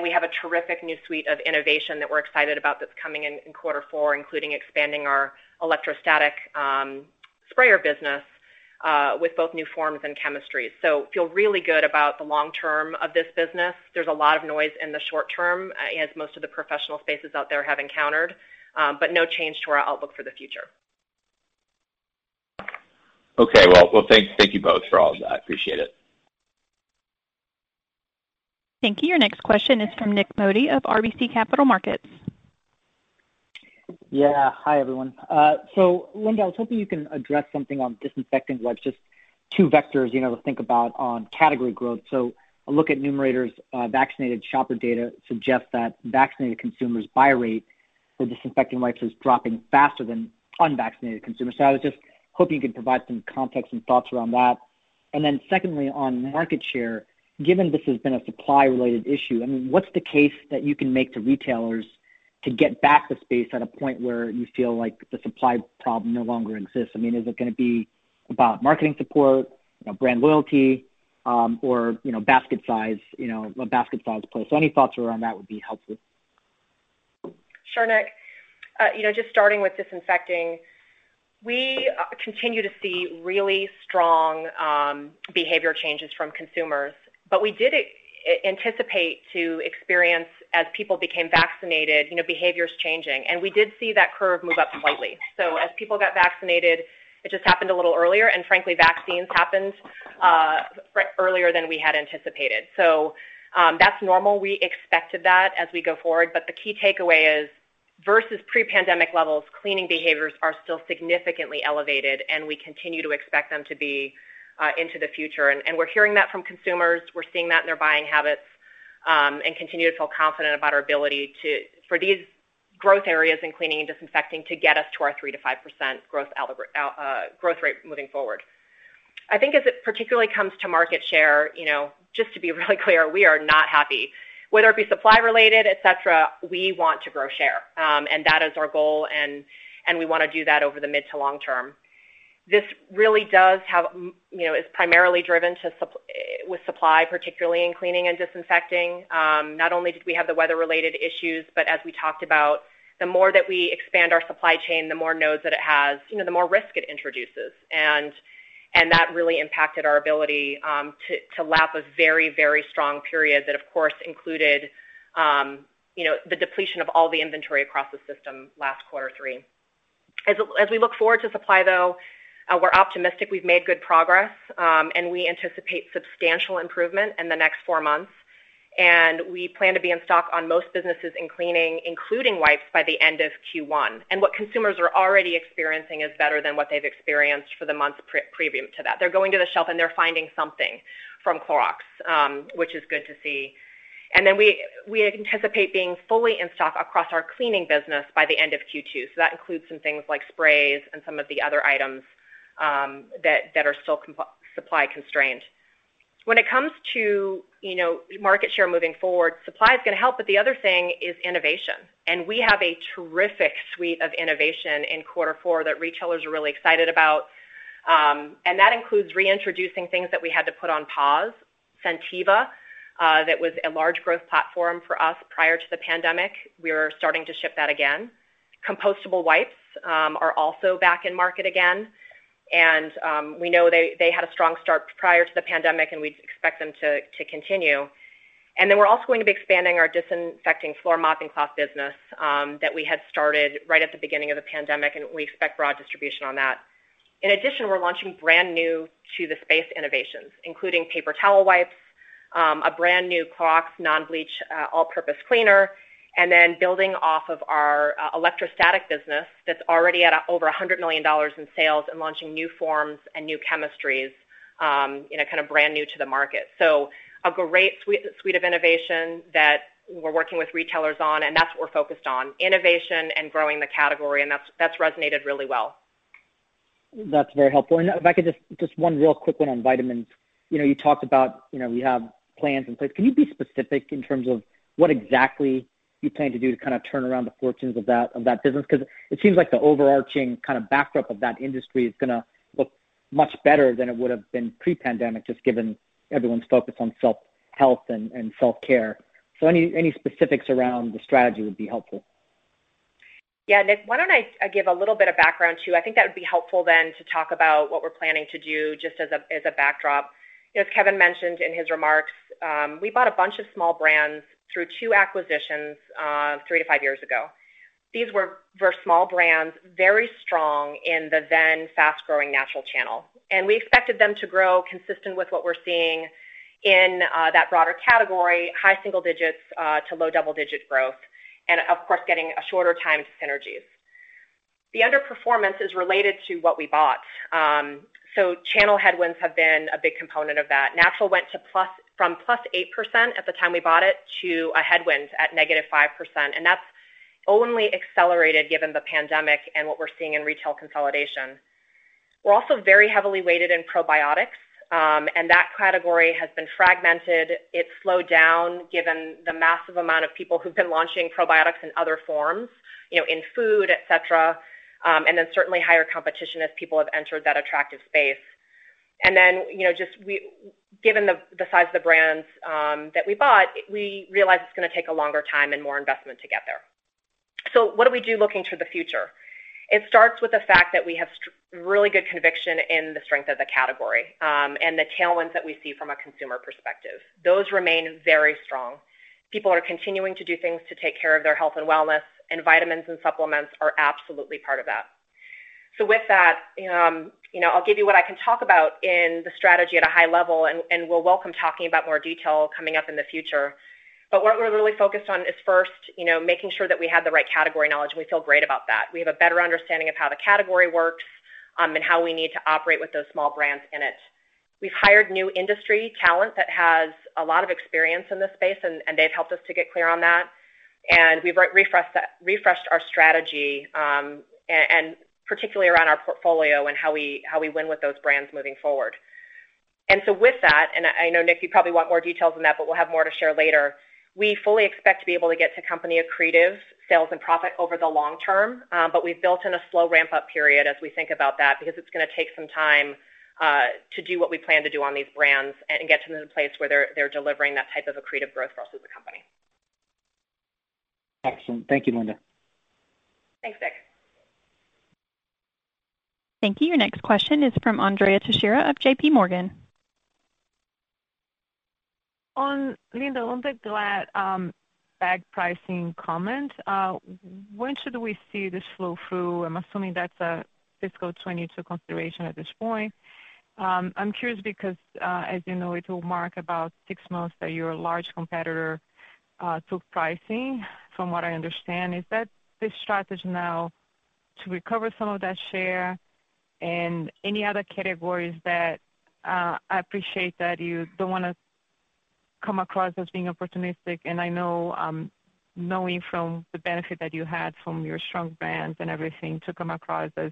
We have a terrific new suite of innovation that we're excited about that's coming in quarter four, including expanding our electrostatic sprayer business, with both new forms and chemistries. Feel really good about the long term of this business. There's a lot of noise in the short term as most of the Professional spaces out there have encountered, but no change to our outlook for the future. Okay. Well, thank you both for all of that. Appreciate it. Thank you. Your next question is from Nik Modi of RBC Capital Markets. Yeah. Hi, everyone. so, Linda, I was hoping you can address something on disinfecting wipes, just two vectors to think about on category growth. A look at Numerator's vaccinated shopper data suggests that vaccinated consumers' buy rate for disinfecting wipes is dropping faster than unvaccinated consumers. I was just hoping you could provide some context and thoughts around that. Secondly, on market share, given this has been a supply related issue, I mean, what's the case that you can make to retailers to get back the space at a point where you feel like the supply problem no longer exists? I mean, is it going to be about marketing support, brand loyalty, or basket size play? Any thoughts around that would be helpful. Sure, Nik. Just starting with disinfecting, we continue to see really strong behavior changes from consumers, but we did anticipate to experience as people became vaccinated, behaviors changing. We did see that curve move up slightly. As people got vaccinated, it just happened a little earlier, and frankly, vaccines happened earlier than we had anticipated. That's normal. We expected that as we go forward. The key takeaway is, versus pre-pandemic levels, cleaning behaviors are still significantly elevated, and we continue to expect them to be into the future. We're hearing that from consumers, we're seeing that in their buying habits, and continue to feel confident about our ability for these growth areas in cleaning and disinfecting to get us to our 3%-5% growth rate moving forward. I think as it particularly comes to market share, just to be really clear, we are not happy. Whether it be supply related, et cetera, we want to grow share. That is our goal and we want to do that over the mid to long term. This really is primarily driven with supply, particularly in Cleaning and Disinfecting. Not only did we have the weather related issues, but as we talked about, the more that we expand our supply chain, the more nodes that it has, the more risk it introduces. That really impacted our ability to lap a very strong period that, of course, included the depletion of all the inventory across the system last quarter three. As we look forward to supply, though, we're optimistic. We've made good progress, and we anticipate substantial improvement in the next four months. We plan to be in stock on most businesses in cleaning, including wipes, by the end of Q1. What consumers are already experiencing is better than what they've experienced for the months previous to that. They're going to the shelf and they're finding something from Clorox, which is good to see. We anticipate being fully in stock across our Cleaning business by the end of Q2. That includes some things like sprays and some of the other items that are still supply constrained. When it comes to market share moving forward, supply is going to help, but the other thing is innovation. We have a terrific suite of innovation in quarter four that retailers are really excited about. That includes reintroducing things that we had to put on pause. Scentiva, that was a large growth platform for us prior to the pandemic. We are starting to ship that again. Compostable Wipes are also back in market again. We know they had a strong start prior to the pandemic and we expect them to continue. We're also going to be expanding our disinfecting floor mopping cloth business that we had started right at the beginning of the pandemic, and we expect broad distribution on that. In addition, we're launching brand new to the space innovations, including paper towel wipes, a brand new Clorox Non-Bleach All Purpose Cleaner, and then building off of our electrostatic business that's already at over $100 million in sales and launching new forms and new chemistries kind of brand new to the market. A great suite of innovation that we're working with retailers on, that's what we're focused on, innovation and growing the category, that's resonated really well. That's very helpful. If I could, just one real quick one on vitamins. You talked about you have plans in place. Can you be specific in terms of what exactly you plan to do to kind of turn around the fortunes of that business? It seems like the overarching kind of backdrop of that industry is going to look much better than it would have been pre-pandemic, just given everyone's focus on self-health and self-care. Any specifics around the strategy would be helpful. Nik, why don't I give a little bit of background, too? I think that would be helpful then to talk about what we're planning to do just as a backdrop. As Kevin mentioned in his remarks, we bought a bunch of small brands through two acquisitions, 3-5 years ago. These were small brands, very strong in the then fast-growing natural channel, and we expected them to grow consistent with what we're seeing in that broader category, high single digits, to low double digit growth, and of course, getting a shorter time to synergies. The underperformance is related to what we bought. Channel headwinds have been a big component of that. Natural went from +8% at the time we bought it, to a headwind at -5%, and that's only accelerated given the pandemic and what we're seeing in retail consolidation. We're also very heavily weighted in probiotics, that category has been fragmented. It's slowed down given the massive amount of people who've been launching probiotics in other forms, in food, et cetera, certainly higher competition as people have entered that attractive space. Just given the size of the brands that we bought, we realized it's going to take a longer time and more investment to get there. What do we do looking to the future? It starts with the fact that we have really good conviction in the strength of the category, the tailwinds that we see from a consumer perspective. Those remain very strong. People are continuing to do things to take care of their health and wellness, and vitamins and supplements are absolutely part of that. With that, I'll give you what I can talk about in the strategy at a high level, and we'll welcome talking about more detail coming up in the future. What we're really focused on is first, making sure that we have the right category knowledge, and we feel great about that. We have a better understanding of how the category works, and how we need to operate with those small brands in it. We've hired new industry talent that has a lot of experience in this space, and they've helped us to get clear on that. We've refreshed our strategy, and particularly around our portfolio and how we win with those brands moving forward. With that, I know, Nik, you probably want more details on that, but we'll have more to share later. We fully expect to be able to get to company accretive sales and profit over the long term. We've built in a slow ramp-up period as we think about that, because it's going to take some time to do what we plan to do on these brands and get them to the place where they're delivering that type of accretive growth for us as a company. Excellent. Thank you, Linda. Thanks, Nik. Thank you. Your next question is from Andrea Teixeira of JPMorgan. On, Linda, on the Glad bag pricing comment, when should we see this flow through? I'm assuming that's a fiscal 2022 consideration at this point. I'm curious because, as you know, it will mark about six months that your large competitor took pricing, from what I understand. Is that the strategy now to recover some of that share and any other categories that I appreciate that you don't want to come across as being opportunistic, and I know, knowing from the benefit that you had from your strong brands and everything, to come across as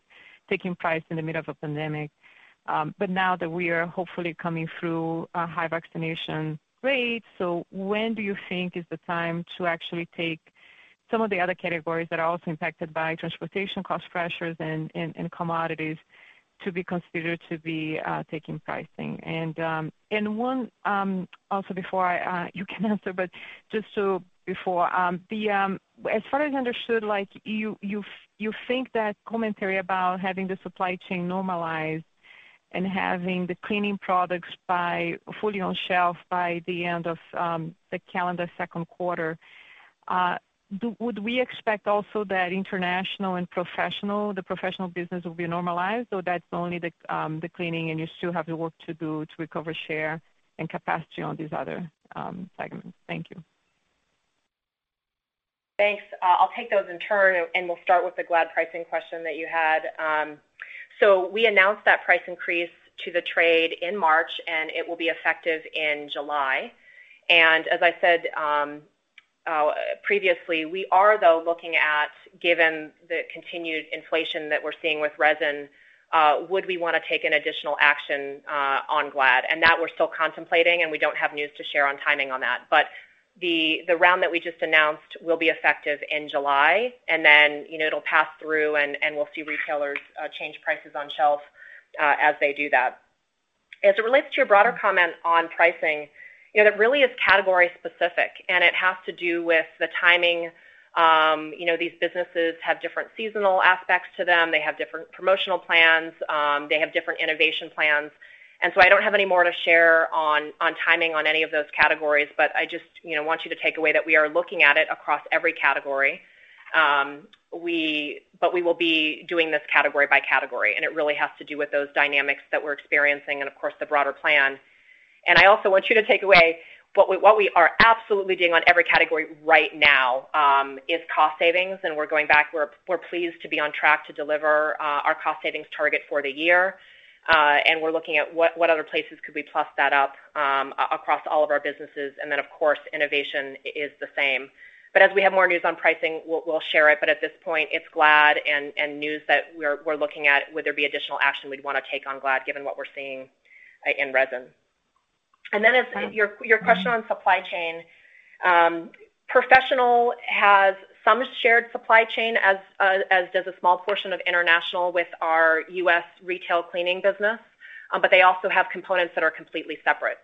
taking price in the middle of a pandemic. Now that we are hopefully coming through a high vaccination rate, so when do you think is the time to actually take some of the other categories that are also impacted by transportation cost pressures and commodities to be considered to be taking pricing? One, also before you can answer, but just before. As far as I understood, you think that commentary about having the supply chain normalized and having the cleaning products fully on shelf by the end of the calendar second quarter. Would we expect also that International and Professional, the Professional business will be normalized, or that's only the cleaning, and you still have the work to do to recover share and capacity on these other segments? Thank you. Thanks. I'll take those in turn, and we'll start with the Glad pricing question that you had. We announced that price increase to the trade in March, and it will be effective in July. As I said previously, we are, though, looking at, given the continued inflation that we're seeing with resin, would we want to take an additional action on Glad? That we're still contemplating, and we don't have news to share on timing on that. The round that we just announced will be effective in July, and then it'll pass through, and we'll see retailers change prices on shelf as they do that. As it relates to your broader comment on pricing, it really is category specific, and it has to do with the timing. These businesses have different seasonal aspects to them. They have different promotional plans. They have different innovation plans. I don't have any more to share on timing on any of those categories, but I just want you to take away that we are looking at it across every category. We will be doing this category by category, and it really has to do with those dynamics that we're experiencing and of course, the broader plan. And I also want you to take away what we are absolutely doing on every category right now is cost savings. We're going back, we're pleased to be on track to deliver our cost savings target for the year. We're looking at what other places could we plus that up across all of our businesses. Then, of course, innovation is the same. As we have more news on pricing, we'll share it. At this point, it's Glad and news that we're looking at would there be additional action we'd want to take on Glad given what we're seeing in resin. As your question on supply chain. Professional has some shared supply chain, as does a small portion of International with our US retail cleaning business. They also have components that are completely separate.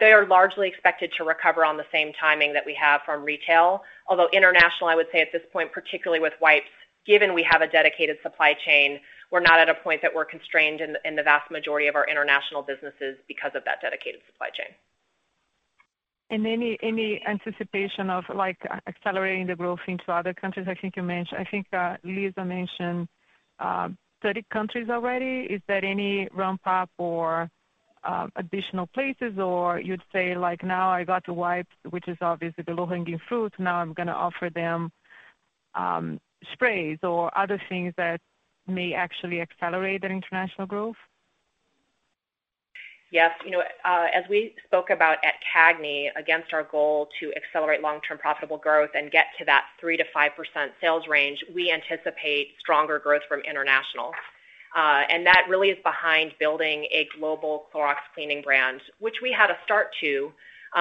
They are largely expected to recover on the same timing that we have from retail. Although International, I would say at this point, particularly with wipes, given we have a dedicated supply chain, we're not at a point that we're constrained in the vast majority of our International businesses because of that dedicated supply chain. Any anticipation of accelerating the growth into other countries? I think Lisah mentioned 30 countries already. Is there any ramp up or additional places, or you'd say, "Now I got the wipes, which is obviously the low-hanging fruit. Now I'm going to offer them sprays or other things" that may actually accelerate the international growth? Yes. As we spoke about at CAGNY, against our goal to accelerate long-term profitable growth and get to that 3%-5% sales range, we anticipate stronger growth from International. That really is behind building a global Clorox cleaning brand, which we had a start to,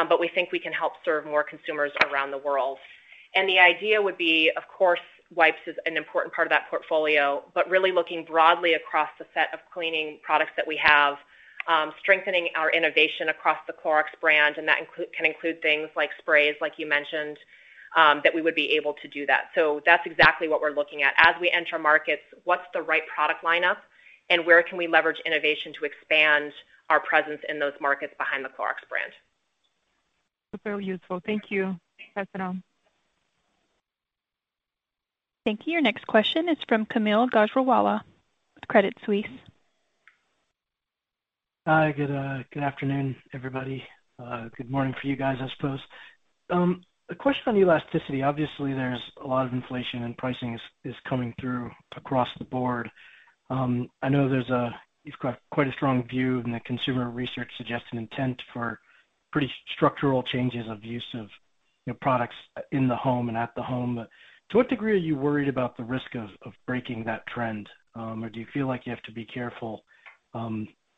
but we think we can help serve more consumers around the world. The idea would be, of course, wipes is an important part of that portfolio, but really looking broadly across the set of cleaning products that we have, strengthening our innovation across the Clorox brand, and that can include things like sprays, like you mentioned, that we would be able to do that. That's exactly what we're looking at. As we enter markets, what's the right product lineup and where can we leverage innovation to expand our presence in those markets behind the Clorox brand? It's very useful. Thank you. Have a good afternoon. Thank you. Your next question is from Kaumil Gajrawala with Credit Suisse. Hi, good afternoon, everybody. Good morning for you guys, I suppose. A question on elasticity. Obviously, there's a lot of inflation, and pricing is coming through across the board. I know you've got quite a strong view, and that consumer research suggests an intent for pretty structural changes of use of products in the home and at the home. To what degree are you worried about the risk of breaking that trend? Do you feel like you have to be careful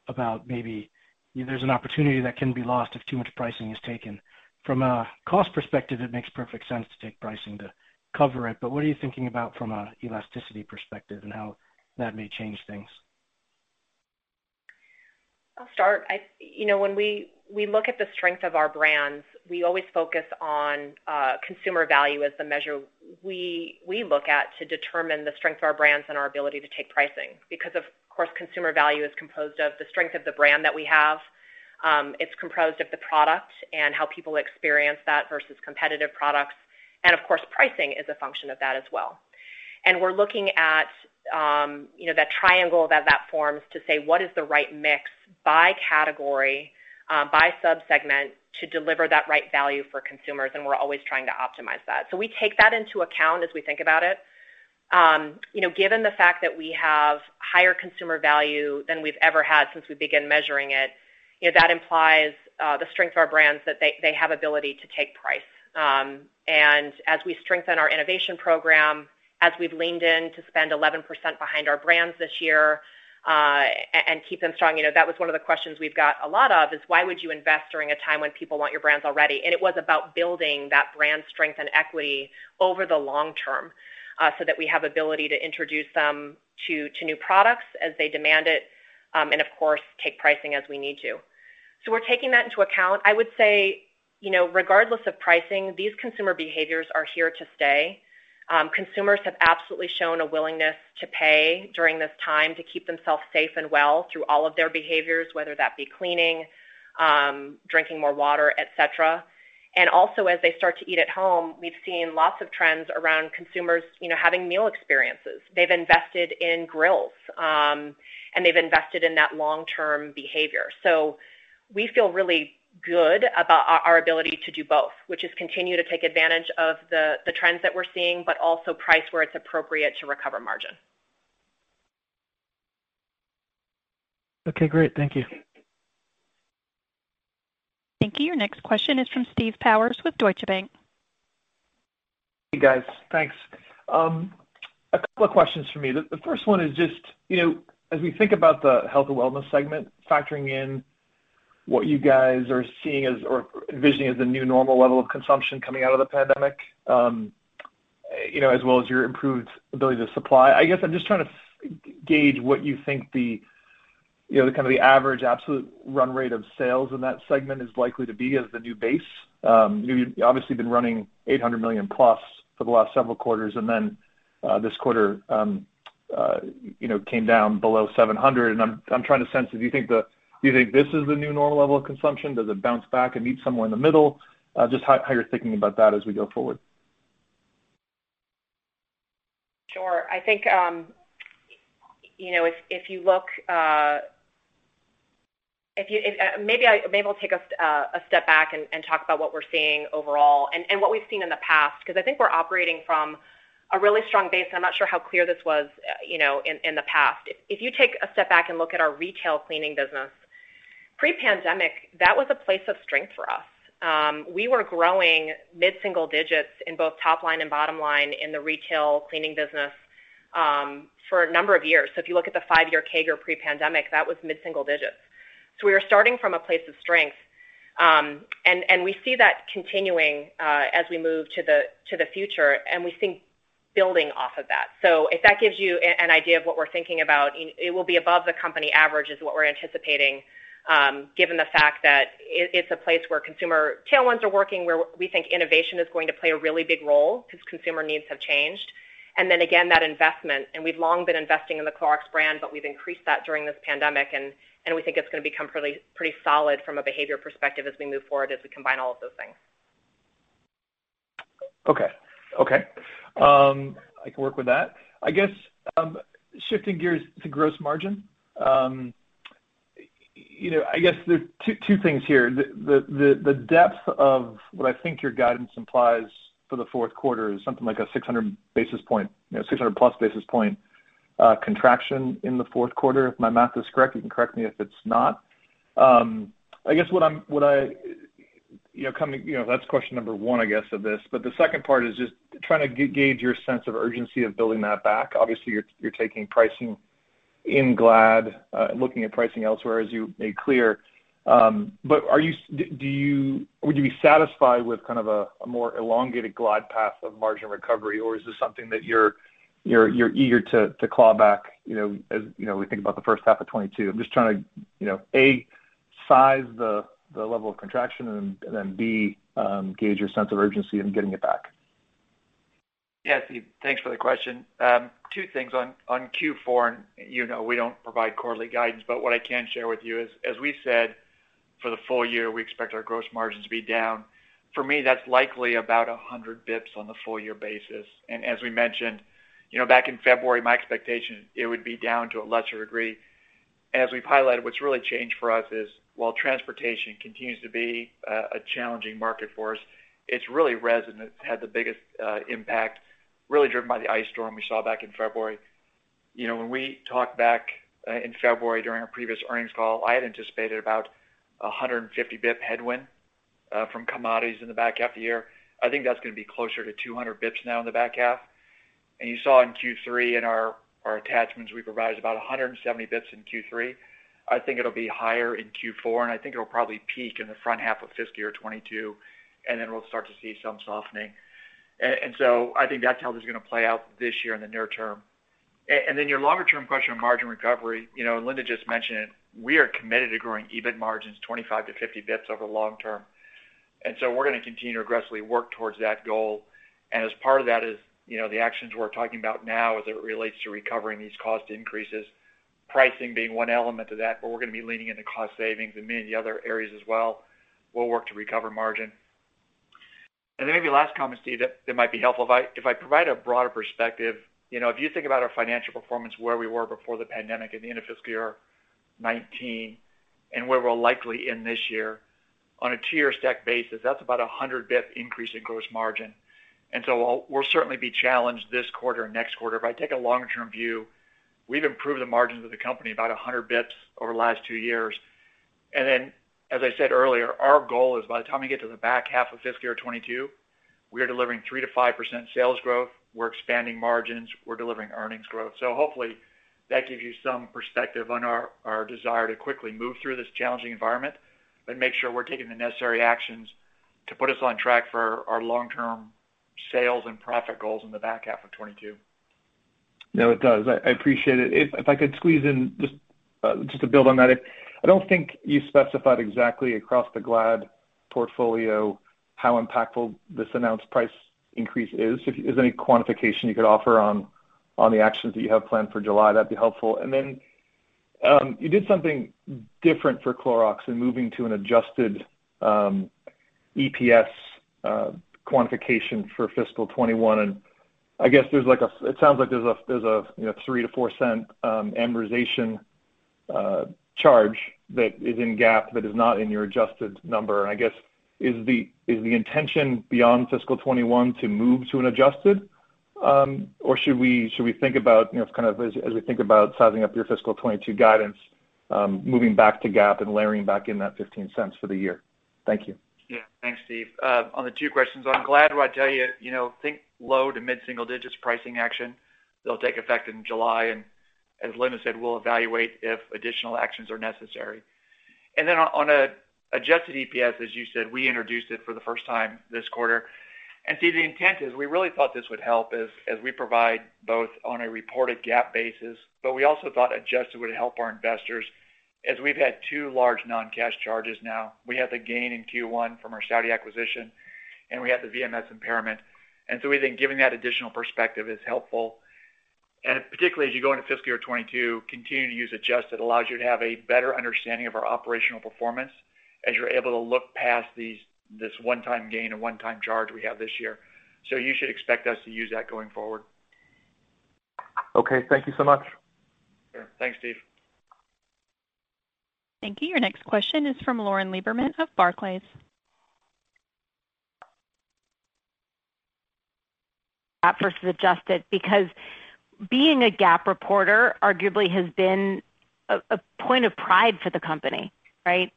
about maybe there's an opportunity that can be lost if too much pricing is taken? From a cost perspective, it makes perfect sense to take pricing to cover it, but what are you thinking about from an elasticity perspective and how that may change things? I'll start. When we look at the strength of our brands, we always focus on consumer value as the measure we look at to determine the strength of our brands and our ability to take pricing. Because of course, consumer value is composed of the strength of the brand that we have. It's composed of the product and how people experience that versus competitive products. Of course, pricing is a function of that as well. We're looking at that triangle that forms to say, what is the right mix by category, by sub-segment, to deliver that right value for consumers, and we're always trying to optimize that. We take that into account as we think about it. Given the fact that we have higher consumer value than we've ever had since we began measuring it, that implies the strength of our brands, that they have ability to take price. As we strengthen our innovation program, as we've leaned in to spend 11% behind our brands this year and keep them strong, that was one of the questions we've got a lot of is, why would you invest during a time when people want your brands already? It was about building that brand strength and equity over the long term so that we have ability to introduce them to new products as they demand it. Of course, take pricing as we need to. We're taking that into account. I would say, regardless of pricing, these consumer behaviors are here to stay. Consumers have absolutely shown a willingness to pay during this time to keep themselves safe and well through all of their behaviors, whether that be cleaning, drinking more water, et cetera. And also, as they start to eat at home, we've seen lots of trends around consumers having meal experiences. They've invested in grills, and they've invested in that long-term behavior. We feel really good about our ability to do both, which is continue to take advantage of the trends that we're seeing, but also price where it's appropriate to recover margin. Okay, great. Thank you. Thank you. Your next question is from Steve Powers with Deutsche Bank. Hey, guys. Thanks. A couple of questions for me. The first one is just, as we think about the Health and Wellness segment, factoring in what you guys are seeing as or envisioning as the new normal level of consumption coming out of the pandemic, as well as your improved ability to supply, I guess I'm just trying to gauge what you think the kind of the average absolute run rate of sales in that segment is likely to be as the new base. You've obviously been running $800 million+ for the last several quarters. This quarter came down below $700 million. I'm trying to sense if you think this is the new normal level of consumption. Does it bounce back and meet somewhere in the middle? Just how you're thinking about that as we go forward. Sure. Maybe I'll take a step back and talk about what we're seeing overall and what we've seen in the past, because I think we're operating from a really strong base, and I'm not sure how clear this was in the past. If you take a step back and look at our retail cleaning business, pre-pandemic, that was a place of strength for us. We were growing mid-single digits in both top line and bottom line in the retail cleaning business for a number of years. If you look at the five-year CAGR pre-pandemic, that was mid-single digits. We were starting from a place of strength, and we see that continuing as we move to the future, and we think building off of that. If that gives you an idea of what we're thinking about, it will be above the company average is what we're anticipating. Given the fact that it's a place where consumer tailwinds are working, where we think innovation is going to play a really big role because consumer needs have changed. Then again, that investment, and we've long been investing in the Clorox brand, but we've increased that during this pandemic, and we think it's going to become pretty solid from a behavior perspective as we move forward, as we combine all of those things. Okay. I can work with that. Shifting gears to gross margin. There are two things here. The depth of what I think your guidance implies for the fourth quarter is something like a 600+ basis point contraction in the fourth quarter, if my math is correct. You can correct me if it's not. That's question number one, I guess, of this, but the second part is just trying to gauge your sense of urgency of building that back. Obviously, you're taking pricing in Glad, looking at pricing elsewhere as you made clear. Would you be satisfied with kind of a more elongated glide path of margin recovery, or is this something that you're eager to claw back, as we think about the first half of 2022? I'm just trying to, A, size the level of contraction, and then, B, gauge your sense of urgency in getting it back. Yes, Steve, thanks for the question. Two things on Q4. We don't provide quarterly guidance. What I can share with you is, as we said, for the full year, we expect our gross margins to be down. For me, that's likely about 100 basis points on the full year basis. As we mentioned, back in February, my expectation, it would be down to a lesser degree. As we've highlighted, what's really changed for us is while transportation continues to be a challenging market for us, it's really resin had the biggest impact, really driven by the ice storm we saw back in February. When we talked back in February during our previous earnings call, I had anticipated about 150 basis points headwind from commodities in the back half of the year. I think that's going to be closer to 200 basis points now in the back half. You saw in Q3 in our attachments, we provided about 170 basis points in Q3. I think it'll be higher in Q4, and I think it'll probably peak in the front half of fiscal year 2022, and then we'll start to see some softening. I think that's how this is going to play out this year in the near term. Your longer-term question on margin recovery, Linda just mentioned it, we are committed to growing EBIT margins 25-50 basis points over the long term. We're going to continue to aggressively work towards that goal. As part of that is, the actions we're talking about now as it relates to recovering these cost increases, pricing being one element of that, but we're going to be leaning into cost savings and many other areas as well. We'll work to recover margin. And maybe last comment, Steve, that might be helpful. If I provide a broader perspective, if you think about our financial performance, where we were before the pandemic at the end of fiscal year 2019, and where we're likely in this year, on a two-year stack basis, that's about 100 basis points increase in gross margin. So we'll certainly be challenged this quarter and next quarter. If I take a longer-term view, we've improved the margins of the company about 100 basis points over the last two years. As I said earlier, our goal is by the time we get to the back half of fiscal year 2022, we are delivering 3%-5% sales growth. We're expanding margins. We're delivering earnings growth. So hopefully, that gives you some perspective on our desire to quickly move through this challenging environment and make sure we're taking the necessary actions to put us on track for our long-term sales and profit goals in the back half of 2022. No, it does. I appreciate it. If I could squeeze in just to build on that, I don't think you specified exactly across the Glad portfolio how impactful this announced price increase is. If there's any quantification you could offer on the actions that you have planned for July, that'd be helpful. You did something different for Clorox in moving to an adjusted EPS quantification for FY 2021, and I guess it sounds like there's a $0.03-$0.04 amortization charge that is in GAAP that is not in your adjusted number. I guess is the intention beyond FY 2021 to move to an adjusted, or should we think about kind of as we think about sizing up your FY 2022 guidance, moving back to GAAP and layering back in that $0.15 for the year? Thank you. Yeah. Thanks, Steve. On the two questions, on Glad, what I tell you, think low to mid single-digits pricing action that'll take effect in July, and as Linda said, we'll evaluate if additional actions are necessary. On adjusted EPS, as you said, we introduced it for the first time this quarter. Steve, the intent is we really thought this would help as we provide both on a reported GAAP basis, but we also thought adjusted would help our investors as we've had two large non-cash charges now. We had the gain in Q1 from our Saudi acquisition, and we had the VMS impairment. We think giving that additional perspective is helpful. Particularly as you go into fiscal year 2022, continuing to use adjusted allows you to have a better understanding of our operational performance as you're able to look past this one-time gain and one-time charge we have this year. You should expect us to use that going forward. Okay. Thank you so much. Sure. Thanks, Steve. Thank you. Your next question is from Lauren Lieberman of Barclays. That versus adjusted, because being a GAAP reporter arguably has been a point of pride for the company, right?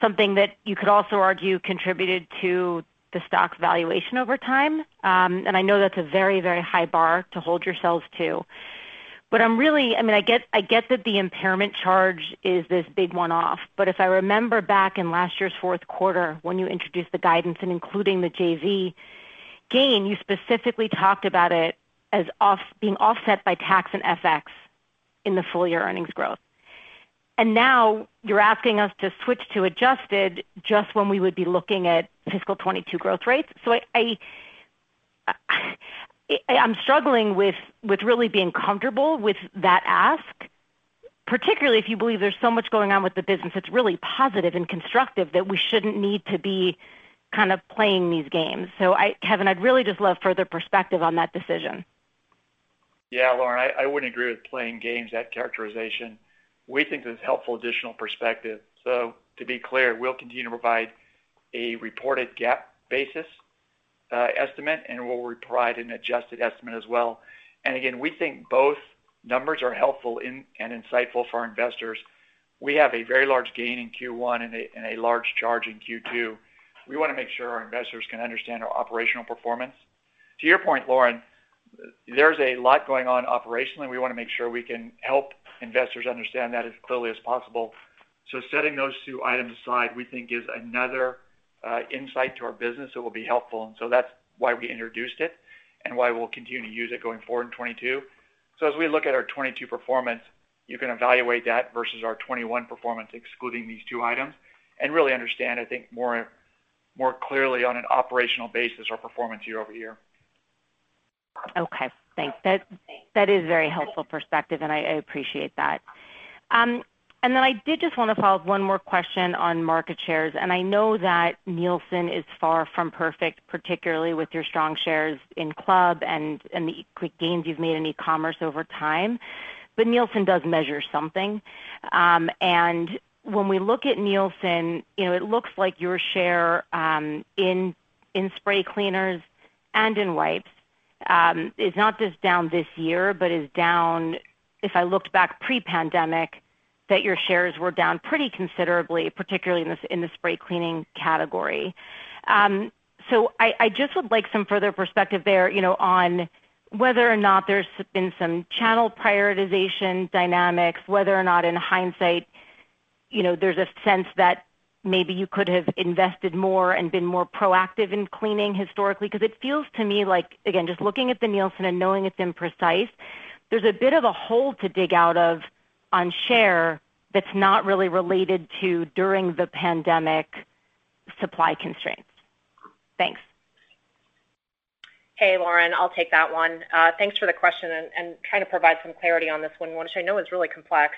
Something that you could also argue contributed to the stock valuation over time. I know that's a very high bar to hold yourselves to. I get that the impairment charge is this big one-off. But If I remember back in last year's fourth quarter when you introduced the guidance and including the JV gain, you specifically talked about it as being offset by tax and FX in the full year earnings growth. Now you're asking us to switch to adjusted just when we would be looking at fiscal 2022 growth rates. I'm struggling with really being comfortable with that ask, particularly if you believe there's so much going on with the business that's really positive and constructive that we shouldn't need to be kind of playing these games. Kevin, I'd really just love further perspective on that decision. Yeah, Lauren, I wouldn't agree with playing games, that characterization. We think this is helpful additional perspective. To be clear, we'll continue to provide a reported GAAP basis estimate, and we'll provide an adjusted estimate as well. And again, we think both numbers are helpful and insightful for our investors. We have a very large gain in Q1 and a large charge in Q2. We want to make sure our investors can understand our operational performance. To your point, Lauren, there's a lot going on operationally. We want to make sure we can help investors understand that as clearly as possible. Setting those two items aside, we think is another insight to our business that will be helpful, and so that's why we introduced it and why we'll continue to use it going forward in 2022. As we look at our 2022 performance, you can evaluate that versus our 2021 performance, excluding these two items, and really understand, I think, more clearly on an operational basis, our performance year over year. Okay, thanks. That is a very helpful perspective, and I appreciate that. I did just want to follow up with one more question on market shares. I know that Nielsen is far from perfect, particularly with your strong shares in club and the quick gains you've made in e-commerce over time, but Nielsen does measure something. When we look at Nielsen, it looks like your share in spray cleaners and in wipes is not just down this year, but is down, if I looked back pre-pandemic, that your shares were down pretty considerably, particularly in the spray cleaning category. I just would like some further perspective there on whether or not there's been some channel prioritization dynamics, whether or not in hindsight, there's a sense that maybe you could have invested more and been more proactive in cleaning historically. It feels to me like, again, just looking at the Nielsen and knowing it's imprecise, there's a bit of a hole to dig out of on share that's not really related to during the pandemic supply constraints. Thanks. Hey, Lauren, I'll take that one. Thanks for the question and trying to provide some clarity on this one, which I know is really complex.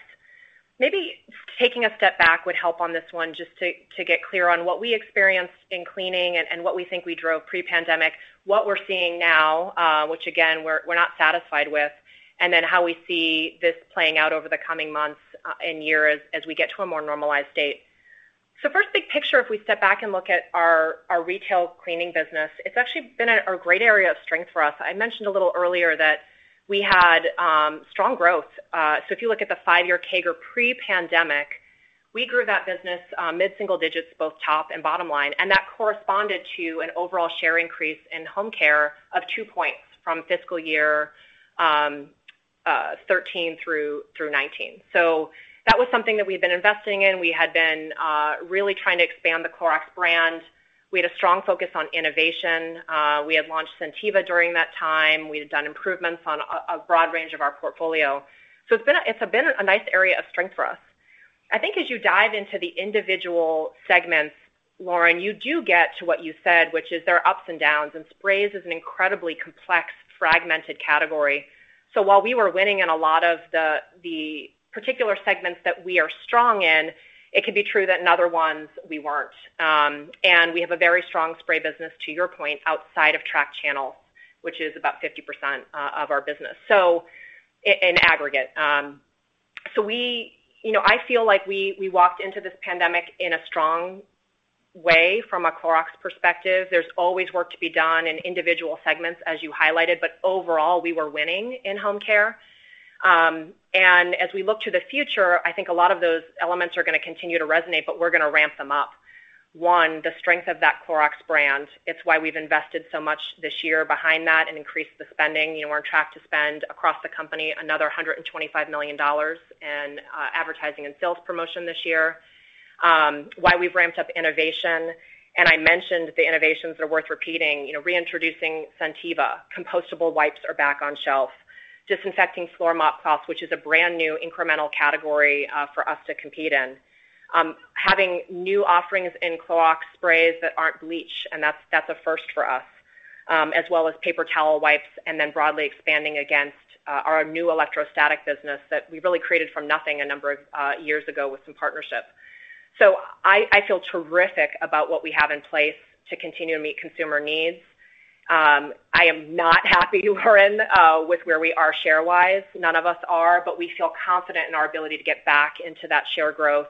Maybe taking a step back would help on this one just to get clear on what we experienced in cleaning and what we think we drove pre-pandemic, what we're seeing now, which again, we're not satisfied with, and then how we see this playing out over the coming months and years as we get to a more normalized state. First, big picture, if we step back and look at our retail cleaning business, it's actually been a great area of strength for us. I mentioned a little earlier that we had strong growth. If you look at the five-year CAGR pre-pandemic, we grew that business mid-single digits, both top and bottom line, and that corresponded to an overall share increase in home care of two points from fiscal year 2013 through 2019. That was something that we had been investing in. We had been really trying to expand the Clorox brand. We had a strong focus on innovation. We had launched Scentiva during that time. We had done improvements on a broad range of our portfolio. It's been a nice area of strength for us. I think as you dive into the individual segments, Lauren, you do get to what you said, which is there are ups and downs, and sprays is an incredibly complex, fragmented category. While we were winning in a lot of the particular segments that we are strong in, it could be true that in other ones we weren't. We have a very strong spray business, to your point, outside of track channels, which is about 50% of our business in aggregate. I feel like we walked into this pandemic in a strong way from a Clorox perspective. There's always work to be done in individual segments, as you highlighted, but overall, we were winning in home care. As we look to the future, I think a lot of those elements are going to continue to resonate, but we're going to ramp them up. One, the strength of that Clorox brand. It's why we've invested so much this year behind that and increased the spending. We're on track to spend across the company another $125 million in advertising and sales promotion this year. Why we've ramped up innovation, and I mentioned the innovations are worth repeating, reintroducing Scentiva, Compostable Wipes are back on shelf. Disinfecting floor mopping cloths, which is a brand new incremental category for us to compete in. Having new offerings in Clorox sprays that aren't bleach, and that's a first for us, as well as Clorox Multi-Purpose Paper Towel Wipes, and then broadly expanding against our new electrostatic business that we really created from nothing a number of years ago with some partnerships. I feel terrific about what we have in place to continue to meet consumer needs. I am not happy, Lauren, with where we are share-wise. None of us are, but we feel confident in our ability to get back into that share growth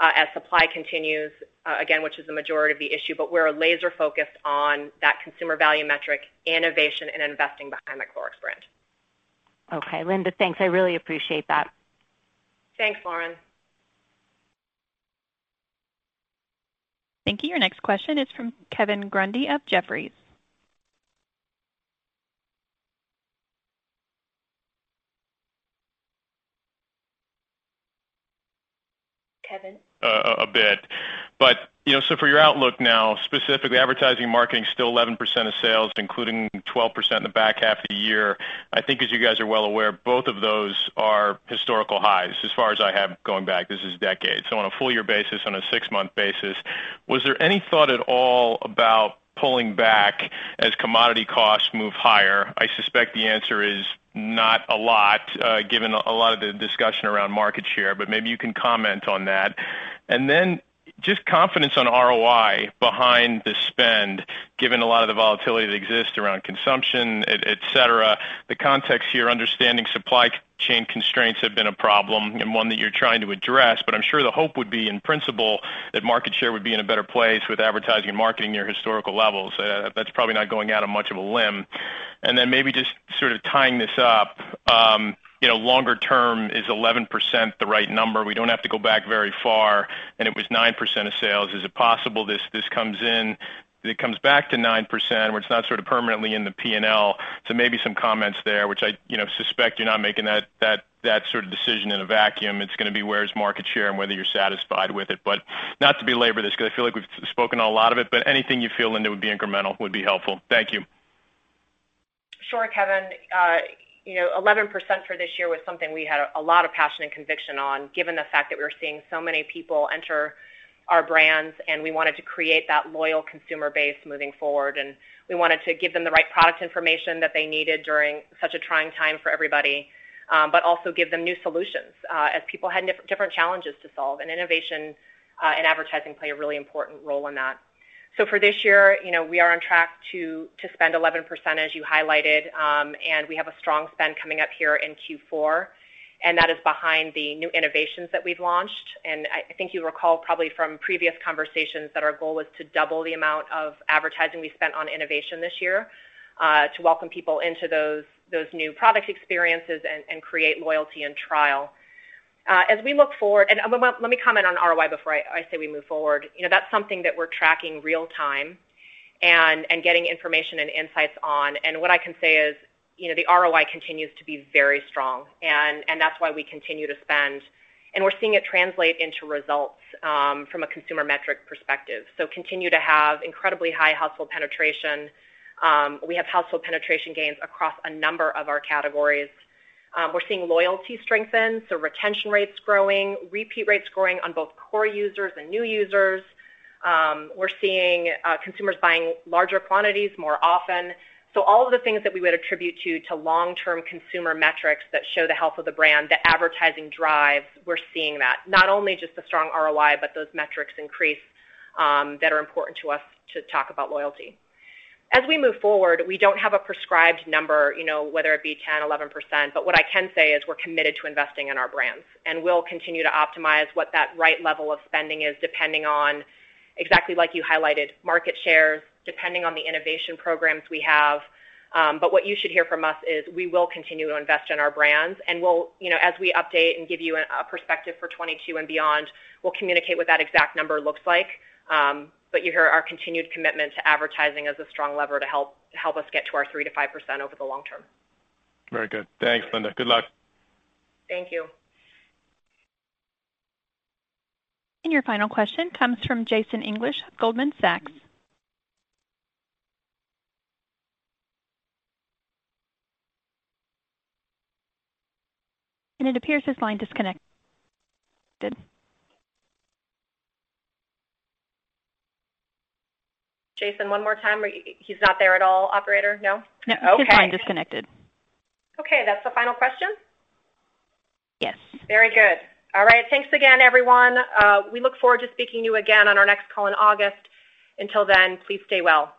as supply continues, again, which is the majority of the issue, but we're laser-focused on that consumer value metric, innovation, and investing behind the Clorox brand. Okay. Linda, thanks. I really appreciate that. Thanks, Lauren. Thank you. Your next question is from Kevin Grundy of Jefferies. Kevin? A bit. For your outlook now, specifically advertising marketing still 11% of sales, including 12% in the back half of the year. I think as you guys are well aware, both of those are historical highs as far as I have going back, this is decades. On a full year basis, on a six-month basis, was there any thought at all about pulling back as commodity costs move higher? I suspect the answer is not a lot, given a lot of the discussion around market share, but maybe you can comment on that. Just confidence on ROI behind the spend, given a lot of the volatility that exists around consumption, et cetera. The context here, understanding supply chain constraints have been a problem and one that you're trying to address, but I'm sure the hope would be, in principle, that market share would be in a better place with advertising and marketing near historical levels. That's probably not going out on much of a limb. Maybe just sort of tying this up, longer term, is 11% the right number? We don't have to go back very far, and it was 9% of sales. Is it possible this comes back to 9%, where it's not sort of permanently in the P&L? Maybe some comments there, which I suspect you're not making that sort of decision in a vacuum. It's going to be where's market share and whether you're satisfied with it. But not to belabor this, because I feel like we've spoken a lot of it, but anything you feel, Linda, would be incremental, would be helpful. Thank you. Sure, Kevin. 11% for this year was something we had a lot of passion and conviction on, given the fact that we were seeing so many people enter our brands, and we wanted to create that loyal consumer base moving forward. We wanted to give them the right product information that they needed during such a trying time for everybody, but also give them new solutions as people had different challenges to solve. Innovation and advertising play a really important role in that. For this year, we are on track to spend 11%, as you highlighted, and we have a strong spend coming up here in Q4, and that is behind the new innovations that we've launched. And I think you recall probably from previous conversations that our goal was to double the amount of advertising we spent on innovation this year to welcome people into those new product experiences and create loyalty and trial. As we look forward, and let me comment on ROI before I say we move forward. That's something that we're tracking real time and getting information and insights on. What I can say is, the ROI continues to be very strong, and that's why we continue to spend. We're seeing it translate into results from a consumer metric perspective. Continue to have incredibly high household penetration. We have household penetration gains across a number of our categories. We're seeing loyalty strengthen, so retention rates growing, repeat rates growing on both core users and new users. We're seeing consumers buying larger quantities more often. So all of the things that we would attribute to long-term consumer metrics that show the health of the brand, the advertising drive, we're seeing that. Not only just the strong ROI, but those metrics increase that are important to us to talk about loyalty. As we move forward, we don't have a prescribed number, whether it be 10%, 11%, but what I can say is we're committed to investing in our brands, and we'll continue to optimize what that right level of spending is, depending on, exactly like you highlighted, market shares, depending on the innovation programs we have. What you should hear from us is we will continue to invest in our brands, and as we update and give you a perspective for 2022 and beyond, we'll communicate what that exact number looks like. You hear our continued commitment to advertising as a strong lever to help us get to our 3%-5% over the long term. Very good. Thanks, Linda. Good luck. Thank you. Your final question comes from Jason English, Goldman Sachs. It appears his line disconnected. Jason, one more time. He's not there at all, operator? No? No. Okay. His line disconnected. Okay. That's the final question? Yes. Very good. All right. Thanks again, everyone. We look forward to speaking to you again on our next call in August. Until then, please stay well.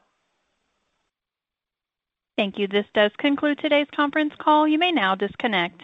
Thank you. This does conclude today's conference call. You may now disconnect.